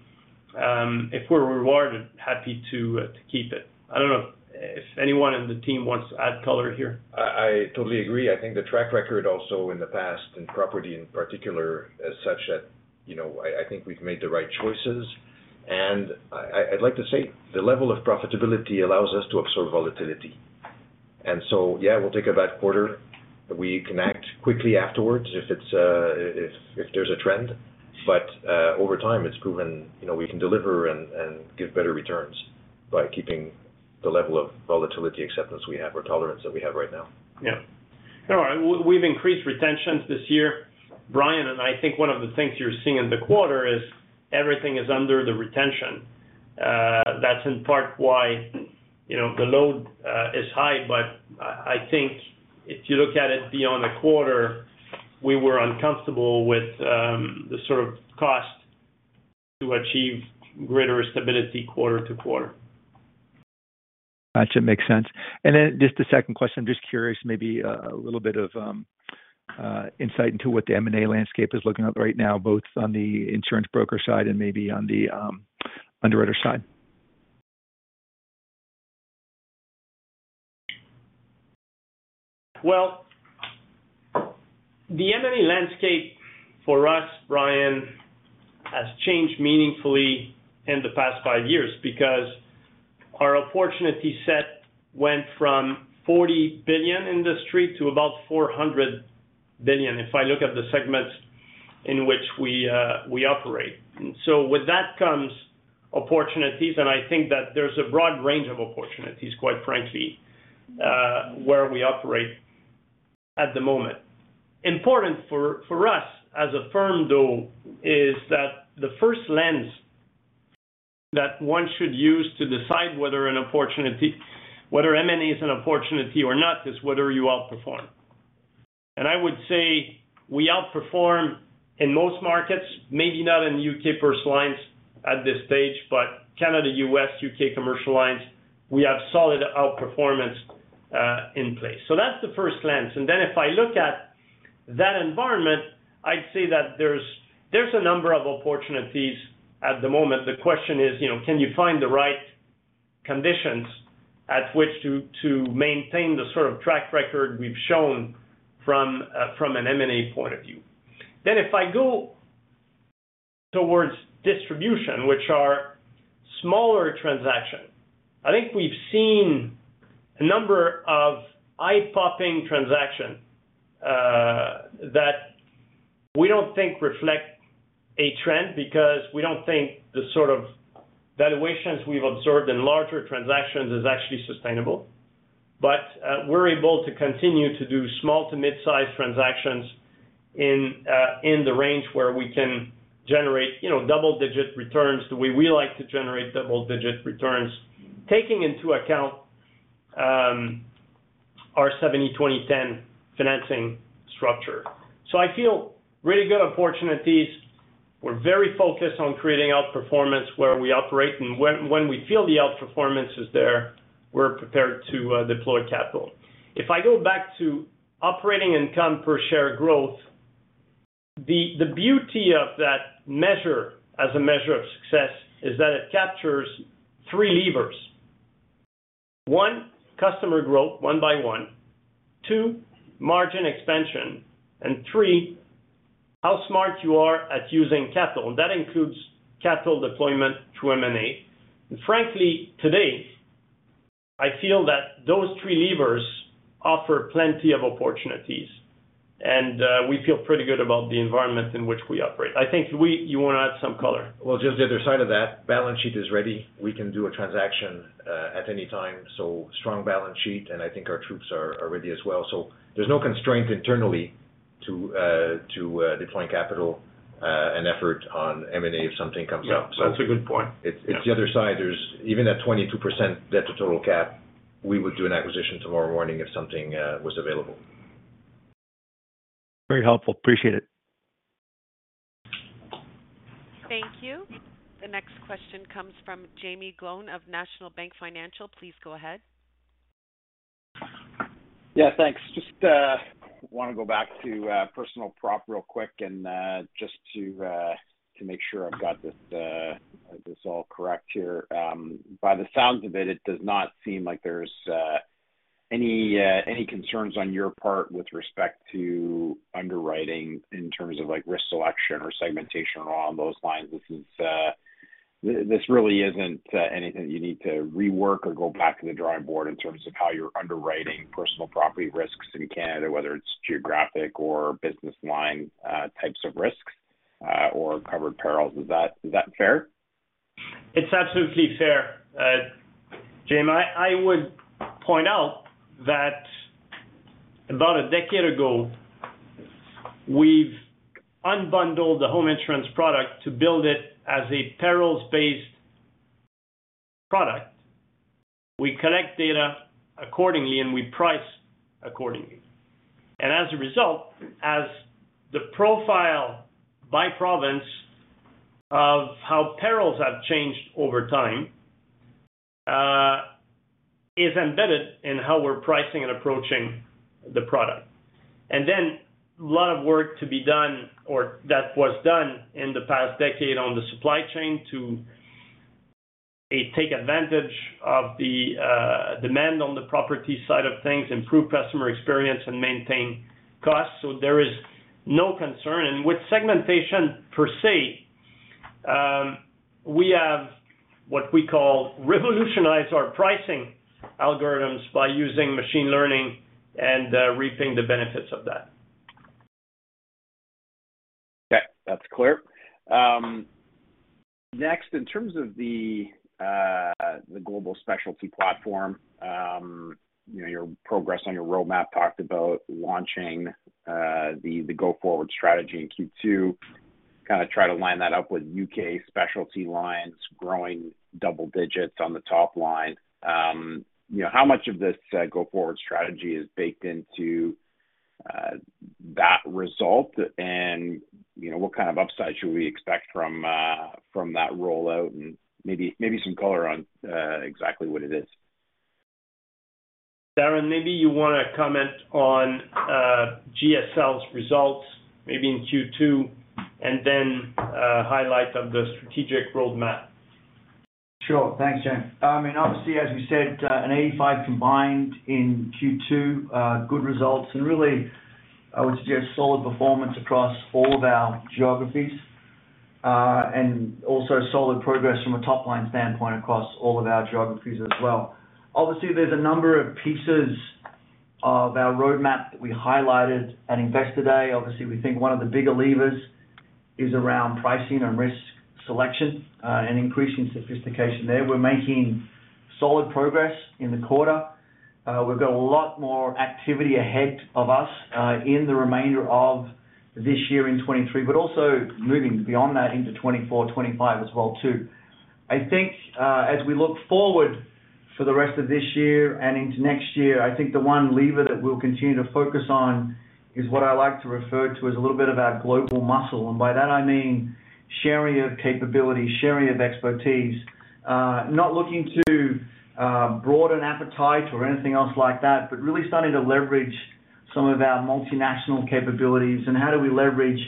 if we're rewarded, happy to keep it. I don't know if anyone in the team wants to add color here. I totally agree. I think the track record also in the past, in property in particular, is such that, you know, I think we've made the right choices. I'd like to say, the level of profitability allows us to absorb volatility. Yeah, we'll take a bad quarter. We can act quickly afterwards if it's, if there's a trend. Over time, it's proven, you know, we can deliver and, and give better returns by keeping the level of volatility acceptance we have or tolerance that we have right now. Yeah. No we've increased retentions this year, Brian, and I think one of the things you're seeing in the quarter is everything is under the retention. That's in part why, you know, the load is high but I think if you look at it beyond the quarter, we were uncomfortable with, the sort of cost to achieve greater stability quarter to quarter. Got you. Makes sense. Then just a second question. Just curious, maybe, a little bit of insight into what the M&A landscape is looking like right now, both on the insurance broker side and maybe on the, underwriter side? Well, the M&A landscape for us, Brian, has changed meaningfully in the past 5 years because our opportunity set went from 40 billion industry to about 400 billion, if I look at the segments in which we operate. With that comes opportunities, and I think that there's a broad range of opportunities, quite frankly, where we operate at the moment. Important for us as a firm, though, is that the first lens that one should use to decide whether M&A is an opportunity or not, is whether you outperform. I would say we outperform in most markets, maybe not in U.K. first lines at this stage, but Canada, U.S., U.K. commercial lines, we have solid outperformance in place. That's the first lens. Then if I look at that environment, I'd say that there's a number of opportunities at the moment. The question is, you know, can you find the right conditions at which to, to maintain the sort of track record we've shown from a, from an M&A point of view? If I go towards distribution, which are smaller transactions, I think we've seen a number of eye-popping transactions that we don't think reflect a trend because we don't think the sort of valuations we've observed in larger transactions is actually sustainable. We're able to continue to do small to mid-size transactions in the range where we can generate, you know, double-digit returns, the way we like to generate double-digit returns, taking into account our 70/20/10 financing structure. I feel really good opportunities. We're very focused on creating outperformance where we operate, and when we feel the outperformance is there, we're prepared to deploy capital. If I go back to operating income per share growth, the beauty of that measure as a measure of success is that it captures three levers. One, customer growth, one by one. Two, margin expansion. Three, how smart you are at using capital, and that includes capital deployment through M&A. Frankly today, I feel that those three levers offer plenty of opportunities, and we feel pretty good about the environment in which we operate. I think you want to add some color. Well, just the other side of that, balance sheet is ready. We can do a transaction at any time, so strong balance sheet, and I think our troops are, are ready as well. There's no constraint internally to, to, deploying capital, and effort on M&A if something comes up. Yeah, that's a good point. It's the other side. There's even at 22% debt to total cap, we would do an acquisition tomorrow morning if something was available. Very helpful. Appreciate it. Thank you. The next question comes from Jaeme Gloyn of National Bank Financial. Please go ahead. Yeah, thanks. Just want to go back to personal prop real quick, and just to make sure I've got this, this all correct here. By the sounds of it, it does not seem like there's any, any concerns on your part with respect to underwriting in terms of, like, risk selection or segmentation or along those lines. This is, this really isn't anything you need to rework or go back to the drawing board in terms of how you're underwriting personal property risks in Canada, whether it's geographic or business line, types of risks, or covered perils. Is that, is that fair? It's absolutely fair. Jaeme, I, I would point out that about a decade ago, we've unbundled the home insurance product to build it as a perils-based product. We collect data accordingly, and we price accordingly. As the profile by province of how perils have changed over time, is embedded in how we're pricing and approaching the product. A lot of work to be done or that was done in the past decade on the supply chain to A, take advantage of the demand on the property side of things, improve customer experience, and maintain costs. There is no concern. With segmentation per se, we have what we call revolutionized our pricing algorithms by using machine learning and reaping the benefits of that. Okay, that's clear. Next, in terms of the, the global specialty platform, you know, your progress on your roadmap talked about launching, the, the go-forward strategy in Q2, kind of try to line that up with UK specialty lines, growing double digits on the top line. You know, how much of this, go-forward strategy is baked into, that result? You know, what kind of upside should we expect from, from that rollout? Maybe, maybe some color on, exactly what it is? Darren, maybe you wanna comment on GSL's results, maybe in Q2, then highlights of the strategic roadmap. Sure. Thanks, Jaeme. I mean, obviously, as you said, an 85 combined in Q2, good results, and really, I would suggest solid performance across all of our geographies, and also solid progress from a top-line standpoint across all of our geographies as well. Obviously, there's a number of pieces of our roadmap that we highlighted at Investor Day. Obviously, we think one of the bigger levers is around pricing and risk selection, and increasing sophistication there. We're making solid progress in the quarter. We've got a lot more activity ahead of us, in the remainder of this year in 2023, but also moving beyond that into 2024, 2025 as well, too. I think, as we look forward for the rest of this year and into next year, I think the one lever that we'll continue to focus on is what I like to refer to as a little bit of our global muscle. By that, I mean sharing of capabilities, sharing of expertise. Not looking to broaden appetite or anything else like that, but really starting to leverage some of our multinational capabilities and how do we leverage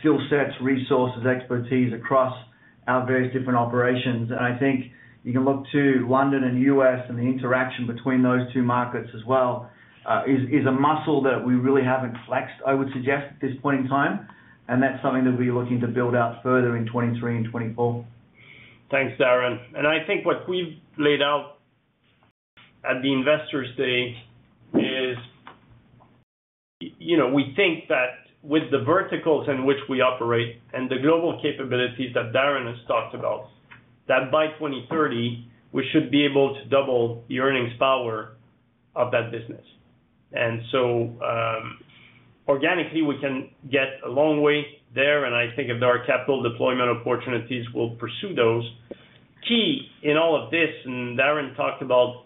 skill sets, resources, expertise across our various different operations. I think you can look to London and U.S., and the interaction between those two markets as well, is a muscle that we really haven't flexed, I would suggest, at this point in time, and that's something that we'll be looking to build out further in 2023 and 2024. Thanks, Darren. I think what we've laid out at the Investors Day, you know, we think that with the verticals in which we operate and the global capabilities that Darren has talked about, that by 2030, we should be able to double the earnings power of that business. Organically, we can get a long way there, and I think if there are capital deployment opportunities, we'll pursue those. Key in all of this, and Darren talked about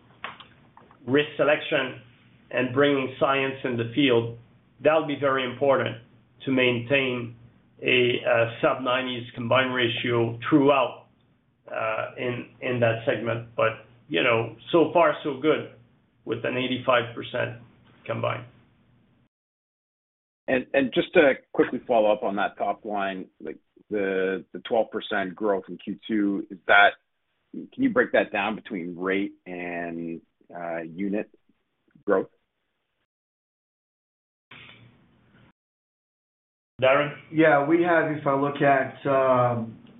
risk selection and bringing science in the field, that would be very important to maintain a sub-90s combined ratio throughout in that segment. You know, so far so good with an 85% combined. Just to quickly follow up on that top line, like the 12% growth in Q2, is that, can you break that down between rate and unit growth? Darren? Yeah, we have. If I look at,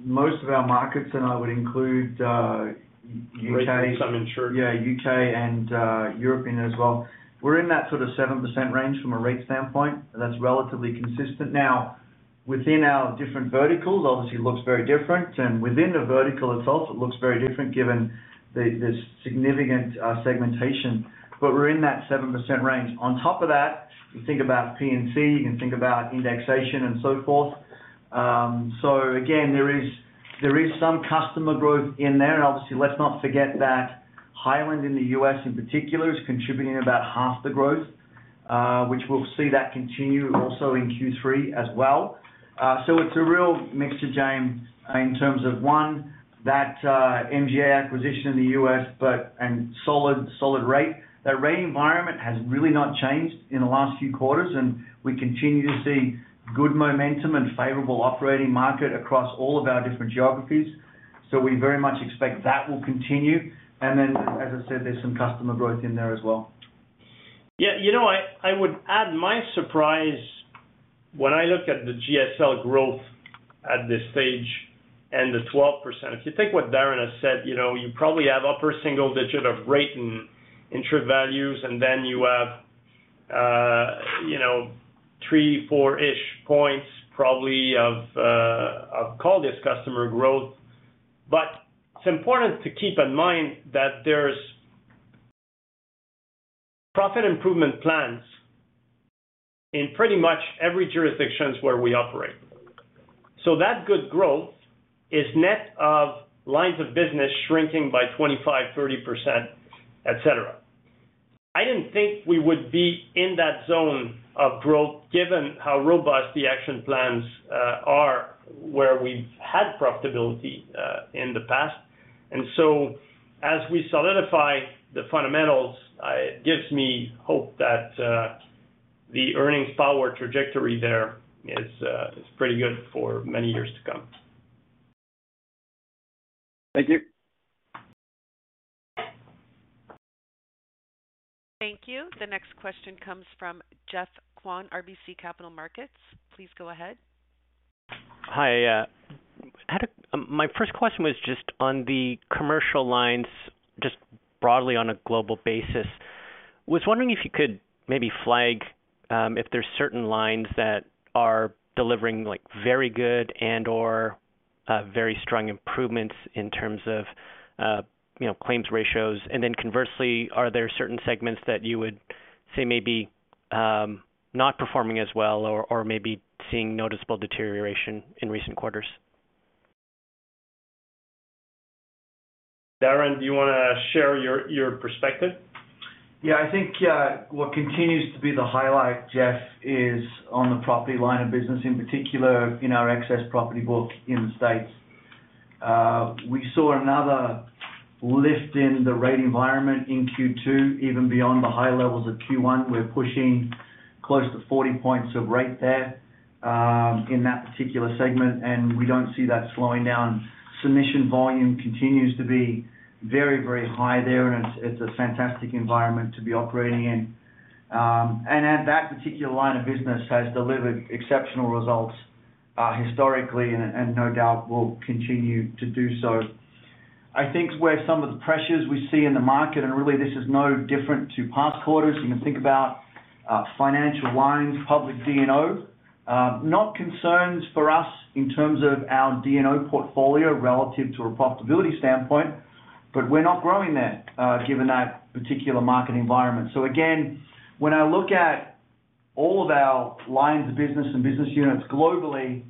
most of our markets, and I would include, U.K.- Some insured. Yeah, UK and European as well. We're in that sort of 7% range from a rate standpoint. That's relatively consistent. Now, within our different verticals, obviously looks very different, and within the vertical itself, it looks very different given the significant segmentation. We're in that 7% range. On top of that, you think about P&C, you can think about indexation and so forth. Again, there is, there is some customer growth in there. Obviously, let's not forget that Highland in the US, in particular, is contributing about half the growth, which we'll see that continue also in Q3 as well. It's a real mixture, Jaeme, in terms of, one, that MGA acquisition in the US, but and solid, solid rate. That rate environment has really not changed in the last few quarters, and we continue to see good momentum and favorable operating market across all of our different geographies. We very much expect that will continue. As I said, there's some customer growth in there as well. Yeah, you know, I, I would add my surprise when I look at the GSL growth at this stage and the 12%. If you take what Darren has said, you know, you probably have upper single-digit of rate and insured values, and then you have, you know, 3, 4-ish points probably of call this customer growth. It's important to keep in mind that there's profit improvement plans in pretty much every jurisdictions where we operate. That good growth is net of lines of business shrinking by 25%-30%, et cetera. I didn't think we would be in that zone of growth, given how robust the action plans are, where we've had profitability in the past. As we solidify the fundamentals, it gives me hope that the earnings power trajectory there is pretty good for many years to come. Thank you. Thank you. The next question comes from Geoff Kwan, RBC Capital Markets. Please go ahead. My first question was just on the commercial lines, just broadly on a global basis. Was wondering if you could maybe flag, if there's certain lines that are delivering, like, very good and/or, very strong improvements in terms of, you know, claims ratios. Then conversely, are there certain segments that you would say may be, not performing as well or, or maybe seeing noticeable deterioration in recent quarters? Darren, do you want to share your, your perspective? Yeah, I think, what continues to be the highlight, Geoff, is on the property line of business, in particular in our excess property book in the States. We saw another lift in the rate environment in Q2, even beyond the high levels of Q1. We're pushing close to 40 points of rate there, in that particular segment, and we don't see that slowing down. Submission volume continues to be very, very high there, and it's a fantastic environment to be operating in. At that particular line of business has delivered exceptional results, historically, and, and no doubt will continue to do so. I think where some of the pressures we see in the market, and really this is no different to past quarters, you can think about, financial lines, public D&O. Not concerns for us in terms of our D&O portfolio relative to a profitability standpoint, but we're not growing that, given that particular market environment. Again, when I look at all of our lines of business and business units globally,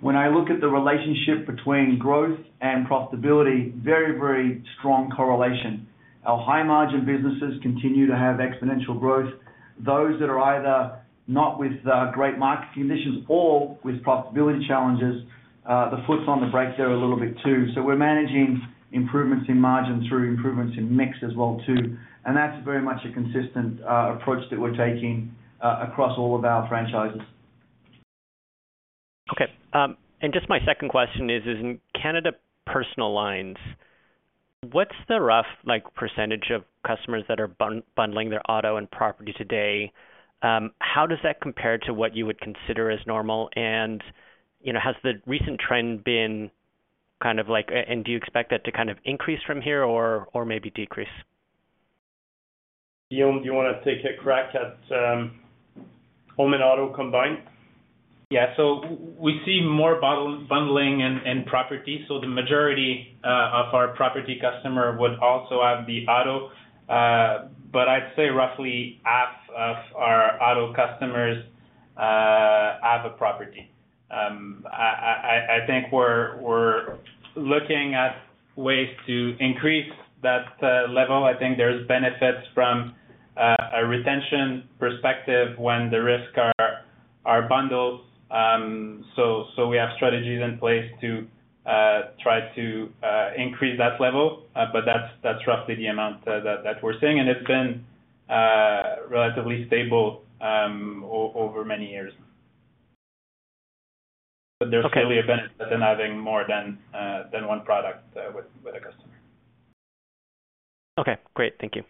when I look at the relationship between growth and profitability, very, very strong correlation. Our high-margin businesses continue to have exponential growth. Those that are either not with great market conditions or with profitability challenges, the foot's on the brakes there a little bit too. We're managing improvements in margin through improvements in mix as well, too. That's very much a consistent approach that we're taking across all of our franchises. Okay, just my second question is, in Canada personal lines, what's the rough, like, % of customers that are bundling their auto and property today? How does that compare to what you would consider as normal? You know, has the recent trend been kind of like, and do you expect that to kind of increase from here or, or maybe decrease? Guillaume, do you want to take a crack at, home and auto combined? Yeah. We see more bundling in property. The majority of our property customer would also have the auto. I'd say roughly half of our auto customers have a property. I think we're looking at ways to increase that level. I think there's benefits from a retention perspective when the risk are bundled. We have strategies in place to try to increase that level. That's roughly the amount that we're seeing, and it's been relatively stable over many years. Okay. There's clearly a benefit in having more than one product with a customer. Okay, great. Thank you.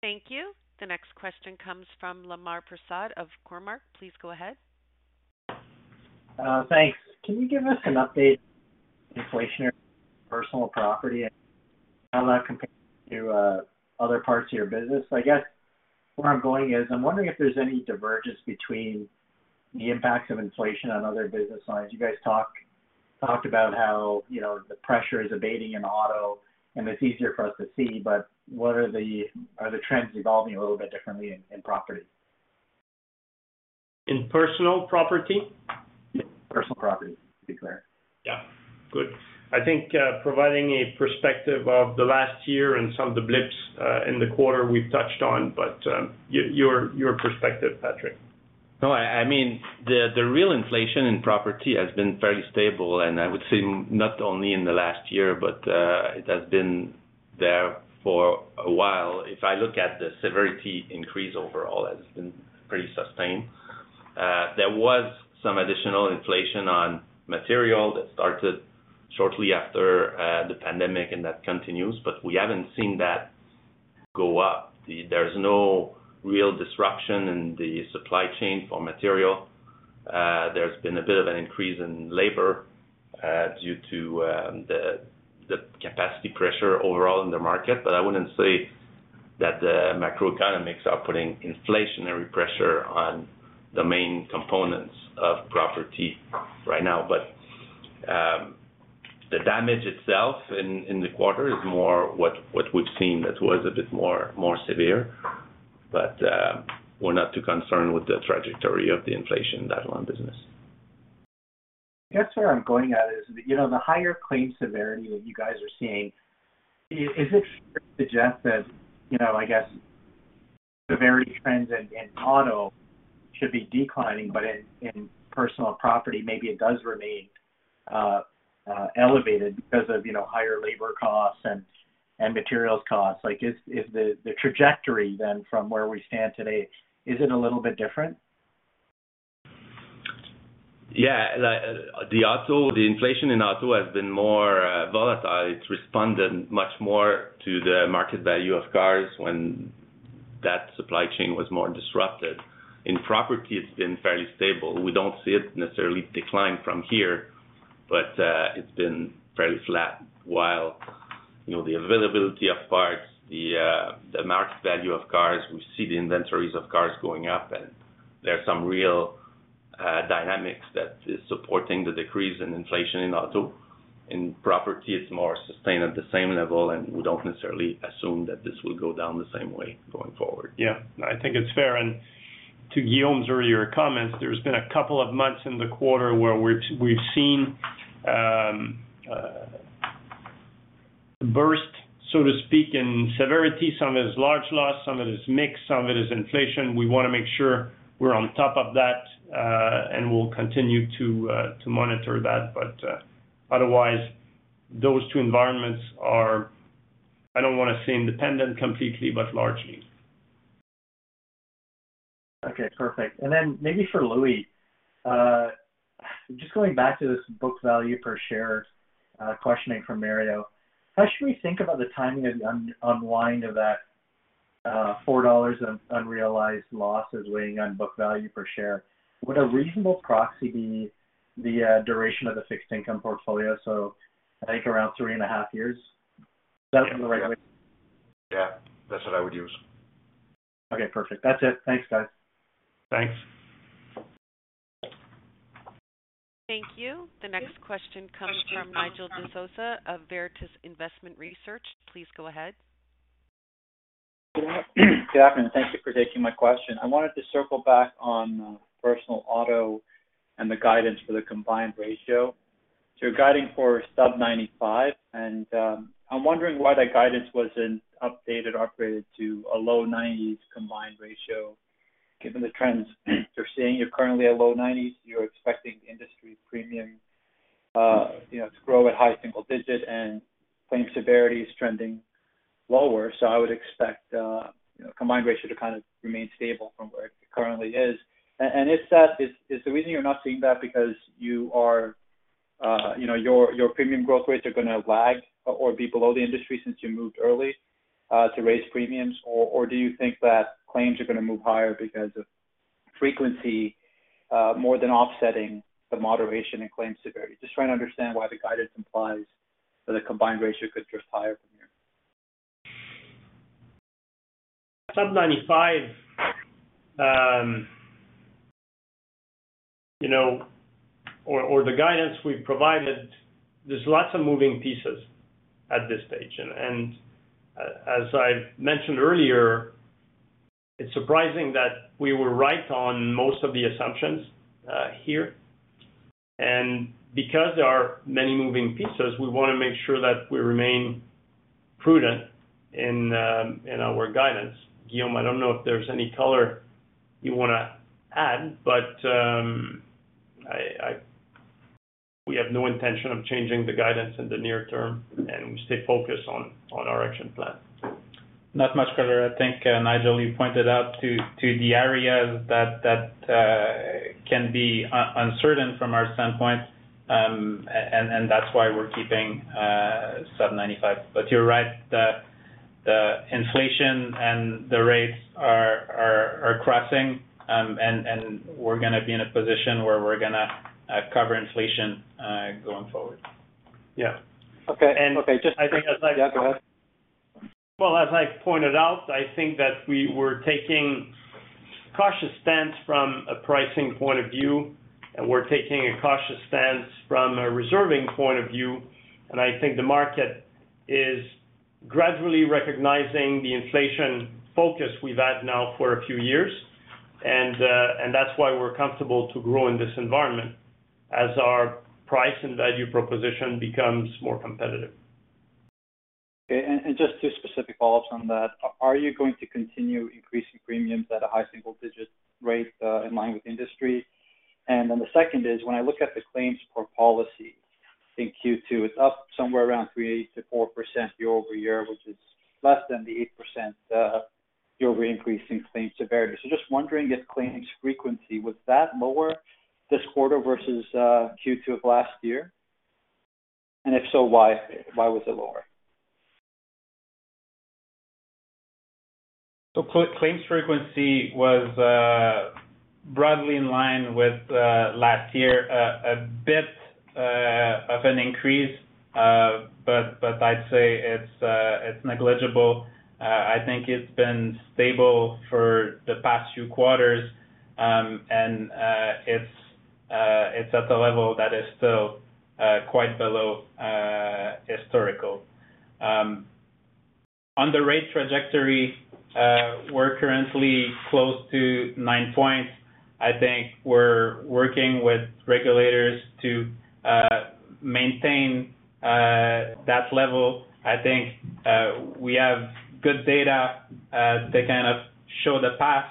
Thank you. The next question comes from Lemar Persaud of Cormark. Please go ahead. Thanks. Can you give us an update on inflationary personal property and how that compares to other parts of your business? I guess where I'm going is, I'm wondering if there's any divergence between the impacts of inflation on other business lines. You guys talked about how, you know, the pressure is abating in auto, and it's easier for us to see, but what are the trends evolving a little bit differently in property? In personal property? Yes, personal property, to be clear. Yeah. Good. I think, providing a perspective of the last year and some of the blips in the quarter, we've touched on, but your, your, your perspective, Patrick. No, I mean, the, the real inflation in property has been fairly stable, and I would say not only in the last year, but it has been there for a while. If I look at the severity increase overall, it's been pretty sustained. There was some additional inflation on material that started shortly after the pandemic, and that continues, but we haven't seen that go up. There's no real disruption in the supply chain for material. There's been a bit of an increase in labor due to the capacity pressure overall in the market. I wouldn't say that the macroeconomics are putting inflationary pressure on the main components of property right now. The damage itself in, in the quarter is more what, what we've seen that was a bit more, more severe. We're not too concerned with the trajectory of the inflation in that one business. I guess where I'm going at is, you know, the higher claim severity that you guys are seeing, is it fair to suggest that, you know, I guess, the very trends in, in auto should be declining, but in, in personal property, maybe it does remain elevated because of, you know, higher labor costs and materials costs? Like, is the trajectory then from where we stand today, is it a little bit different? Yeah, the auto, the inflation in auto has been more volatile. It's responded much more to the market value of cars when that supply chain was more disrupted. In property, it's been fairly stable. We don't see it necessarily decline from here, but it's been fairly flat while, you know, the availability of parts, the market value of cars, we see the inventories of cars going up, and there are some real dynamics that is supporting the decrease in inflation in auto. In property, it's more sustained at the same level. We don't necessarily assume that this will go down the same way going forward. Yeah, I think it's fair. To Guillaume's earlier comments, there's been a couple of months in the quarter where we've, we've seen, burst, so to speak, in severity. Some is large loss, some it is mixed, some it is inflation. We want to make sure we're on top of that, and we'll continue to, to monitor that. Otherwise, those two environments are, I don't want to say independent completely, but largely. Okay, perfect. Then maybe for Louis, just going back to this book value per share, questioning from Mario. How should we think about the timing of the unwind of that, $4 of unrealized losses weighing on book value per share? Would a reasonable proxy be the duration of the fixed income portfolio, so I think around 3.5 years? Is that the right way? Yeah, that's what I would use. Okay, perfect. That's it. Thanks, guys. Thanks. Thank you. The next question comes from Nigel D'Souza of Veritas Investment Research. Please go ahead. Good afternoon, thank you for taking my question. I wanted to circle back on personal auto and the guidance for the combined ratio. You're guiding for sub-95, and I'm wondering why that guidance wasn't updated or upgraded to a low 90s combined ratio, given the trends you're seeing. You're currently at low 90s. You're expecting industry premium, you know, to grow at high single-digit, and claim severity is trending lower. I would expect, you know, combined ratio to kind of remain stable from where it currently is. If that is the reason you're not seeing that because you know, your premium growth rates are going to lag or be below the industry since you moved early to raise premiums? Do you think that claims are going to move higher because of frequency, more than offsetting the moderation in claims severity? Just trying to understand why the guidance implies that the combined ratio could drift higher from here. Sub-95, you know, or, or the guidance we provided, there's lots of moving pieces at this stage. And as I've mentioned earlier, it's surprising that we were right on most of the assumptions here. Because there are many moving pieces, we want to make sure that we remain prudent in our guidance. Guillaume, I don't know if there's any color you want to add, but we have no intention of changing the guidance in the near term, and we stay focused on our action plan. Not much color. I think, Nigel, you pointed out to the areas that, that can be uncertain from our standpoint, and that's why we're keeping sub-95. You're right, the inflation and the rates are crossing, and we're going to be in a position where we're going to cover inflation going forward. Yeah. Okay. And- Okay. I think as I... Yeah, go ahead. As I pointed out, I think that we were taking cautious stance from a pricing point of view, and we're taking a cautious stance from a reserving point of view. I think the market is gradually recognizing the inflation focus we've had now for a few years, and that's why we're comfortable to grow in this environment as our price and value proposition becomes more competitive. Okay. Just to specific follow-ups on that. Are you going to continue increasing premiums at a high single digit rate in line with industry? The second is, when I look at the claims per policy, I think Q2 is up somewhere around 3%-4% year-over-year, which is less than the 8% year over increase in claims severity. Just wondering if claims frequency, was that lower this quarter versus Q2 of last year? If so, why? Why was it lower? claims frequency was broadly in line with last year, a bit of an increase, but I'd say it's negligible. I think it's been stable for the past few quarters, and it's at a level that is still quite below historical. On the rate trajectory, we're currently close to nine points. I think we're working with regulators to maintain that level. I think we have good data that kind of show the path,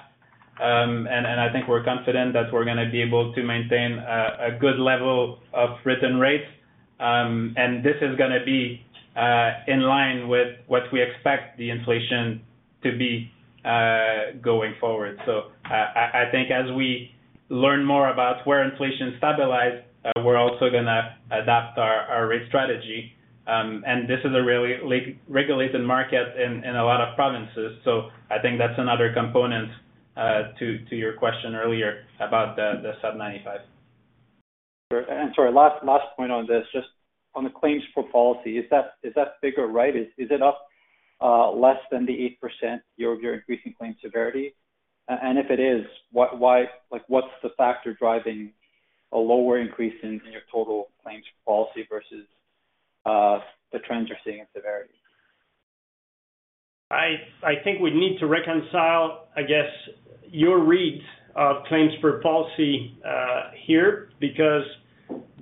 and I think we're confident that we're going to be able to maintain a good level of written rates. This is going to be in line with what we expect the inflation to be going forward. I think as we learn more about where inflation stabilize, we're also going to adapt our, our rate strategy. This is a really re-regulated market in, in a lot of provinces, so I think that's another component to, to your question earlier about the, the sub-95. Sure. Sorry, last, last point on this. Just on the claims for policy, is that, is that figure right? Is it up less than the 8% year-over-year increasing claim severity? If it is, what, like, what's the factor driving a lower increase in your total claims policy versus the trends you're seeing in severity? I think we need to reconcile, I guess, your read of claims per policy, here, because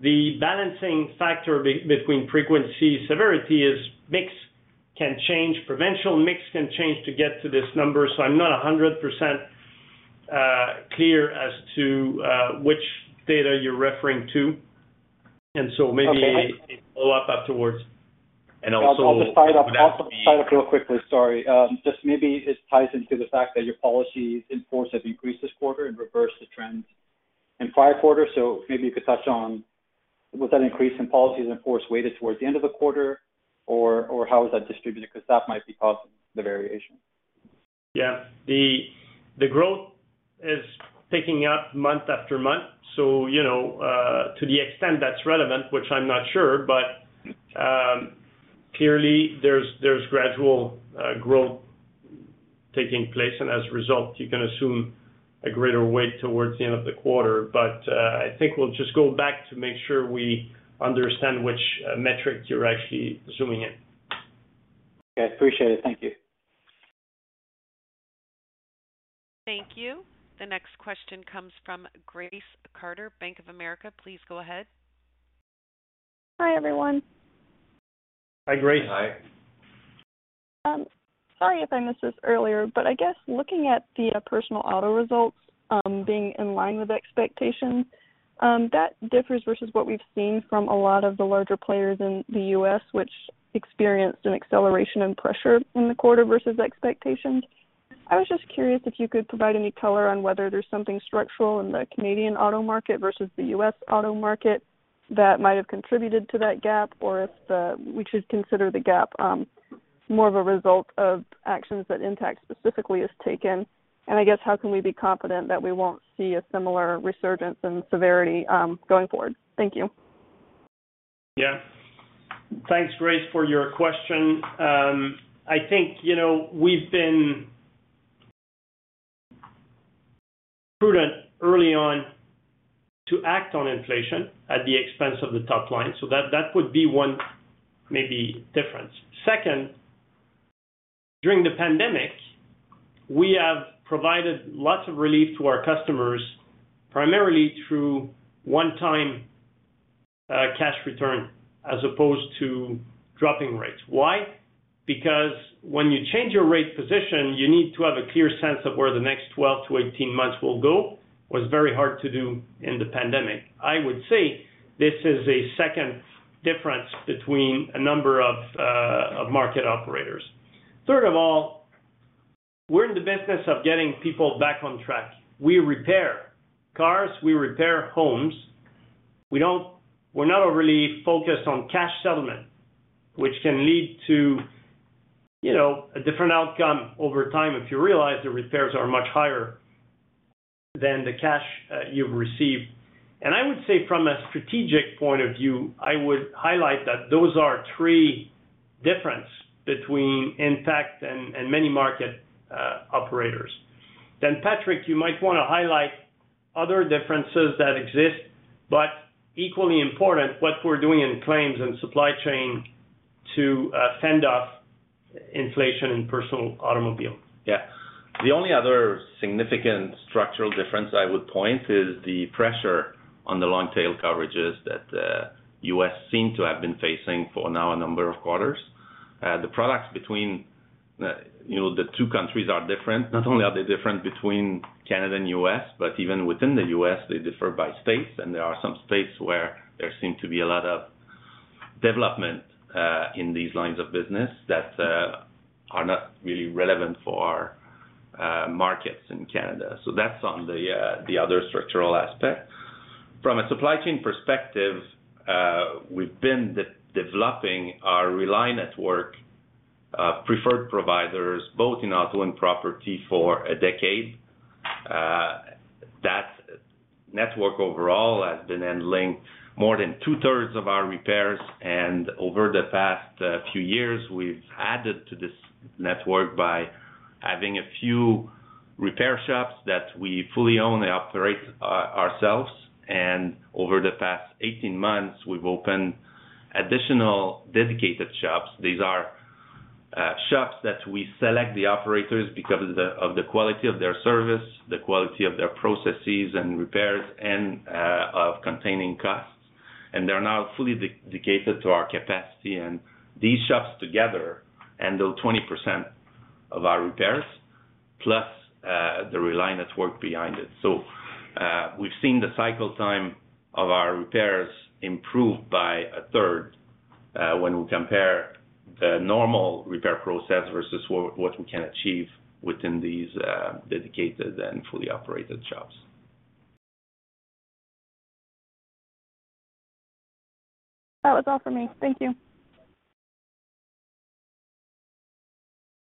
the balancing factor between frequency severity is mix can change, provincial mix can change to get to this number. I'm not 100% clear as to which data you're referring to. Maybe a follow-up afterwards. Also... I'll just follow up, real quickly, sorry. Just maybe it ties into the fact that your policies in force have increased this quarter and reversed the trends in prior quarters. Maybe you could touch on, was that increase in policies in force weighted towards the end of the quarter, or how is that distributed? Because that might be causing the variation. Yeah. The, the growth is picking up month after month, so you know, to the extent that's relevant, which I'm not sure, but clearly there's, there's gradual growth taking place, and as a result, you can assume a greater weight towards the end of the quarter. I think we'll just go back to make sure we understand which metric you're actually zooming in. Okay, appreciate it. Thank you. Thank you. The next question comes from Grace Carter, Bank of America. Please go ahead. Hi, everyone. Hi, Grace. Hi. Sorry if I missed this earlier, I guess looking at the personal auto results, being in line with expectations, that differs versus what we've seen from a lot of the larger players in the U.S., which experienced an acceleration and pressure in the quarter versus expectations. I was just curious if you could provide any color on whether there's something structural in the Canadian auto market versus the U.S. auto market that might have contributed to that gap, or if the, we should consider the gap, more of a result of actions that Intact specifically has taken. I guess, how can we be confident that we won't see a similar resurgence in severity, going forward? Thank you. Yeah. Thanks, Grace, for your question. I think, you know, we've been prudent early on to act on inflation at the expense of the top line, so that, that would be one maybe difference. Second, during the pandemic, we have provided lots of relief to our customers, primarily through one-time cash return as opposed to dropping rates. Why? Because when you change your rate position, you need to have a clear sense of where the next 12-18 months will go. Was very hard to do in the pandemic. I would say this is a second difference between a number of market operators. Third of all, we're in the business of getting people back on track. We repair cars, we repair homes. We're not overly focused on cash settlement, which can lead to, you know, a different outcome over time if you realize the repairs are much higher than the cash you've received. I would say from a strategic point of view, I would highlight that those are three difference between Intact and many market operators. Patrick, you might want to highlight other differences that exist, but equally important, what we're doing in claims and supply chain to fend off inflation in personal automobile. Yeah. The only other significant structural difference I would point is the pressure on the long tail coverages that U.S. seem to have been facing for now a number of quarters. The products between, the, you know, the two countries are different. Not only are they different between Canada and U.S., but even within the U.S., they differ by states, and there are some states where there seem to be a lot of development in these lines of business that are not really relevant for markets in Canada. So that's on the other structural aspect. From a supply chain perspective, we've been de-developing our Rely Network, preferred providers, both in auto and property, for a decade. That network overall has been handling more than two-thirds of our repairs, and over the past few years, we've added to this network by having a few repair shops that we fully own and operate ourselves. Over the past 18 months, we've opened additional dedicated shops. These are shops that we select the operators because of the quality of their service, the quality of their processes and repairs, and of containing costs. They're now fully dedicated to our capacity. These shops together handle 20% of our repairs, plus the Rely Network behind it. We've seen the cycle time of our repairs improve by a third when we compare the normal repair process versus what we can achieve within these dedicated and fully operated shops. That was all for me. Thank you.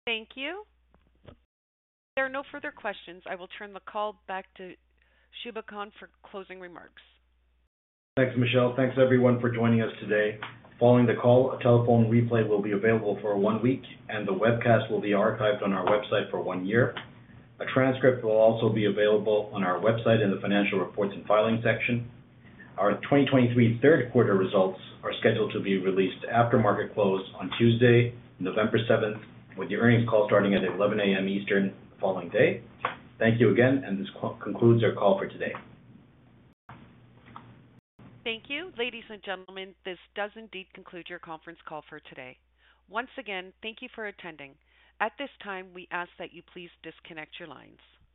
Thank you. If there are no further questions, I will turn the call back to Shubha Khan for closing remarks. Thanks, Michelle. Thanks, everyone, for joining us today. Following the call, a telephone replay will be available for one week, and the webcast will be archived on our website for one year. A transcript will also be available on our website in the Financial Reports and Filings section. Our 2023 third quarter results are scheduled to be released after market close on Tuesday, November 7th, with the earnings call starting at 11:00 A.M. Eastern, the following day. Thank you again, and this concludes our call for today. Thank you. Ladies and gentlemen, this does indeed conclude your conference call for today. Once again, thank you for attending. At this time, we ask that you please disconnect your lines.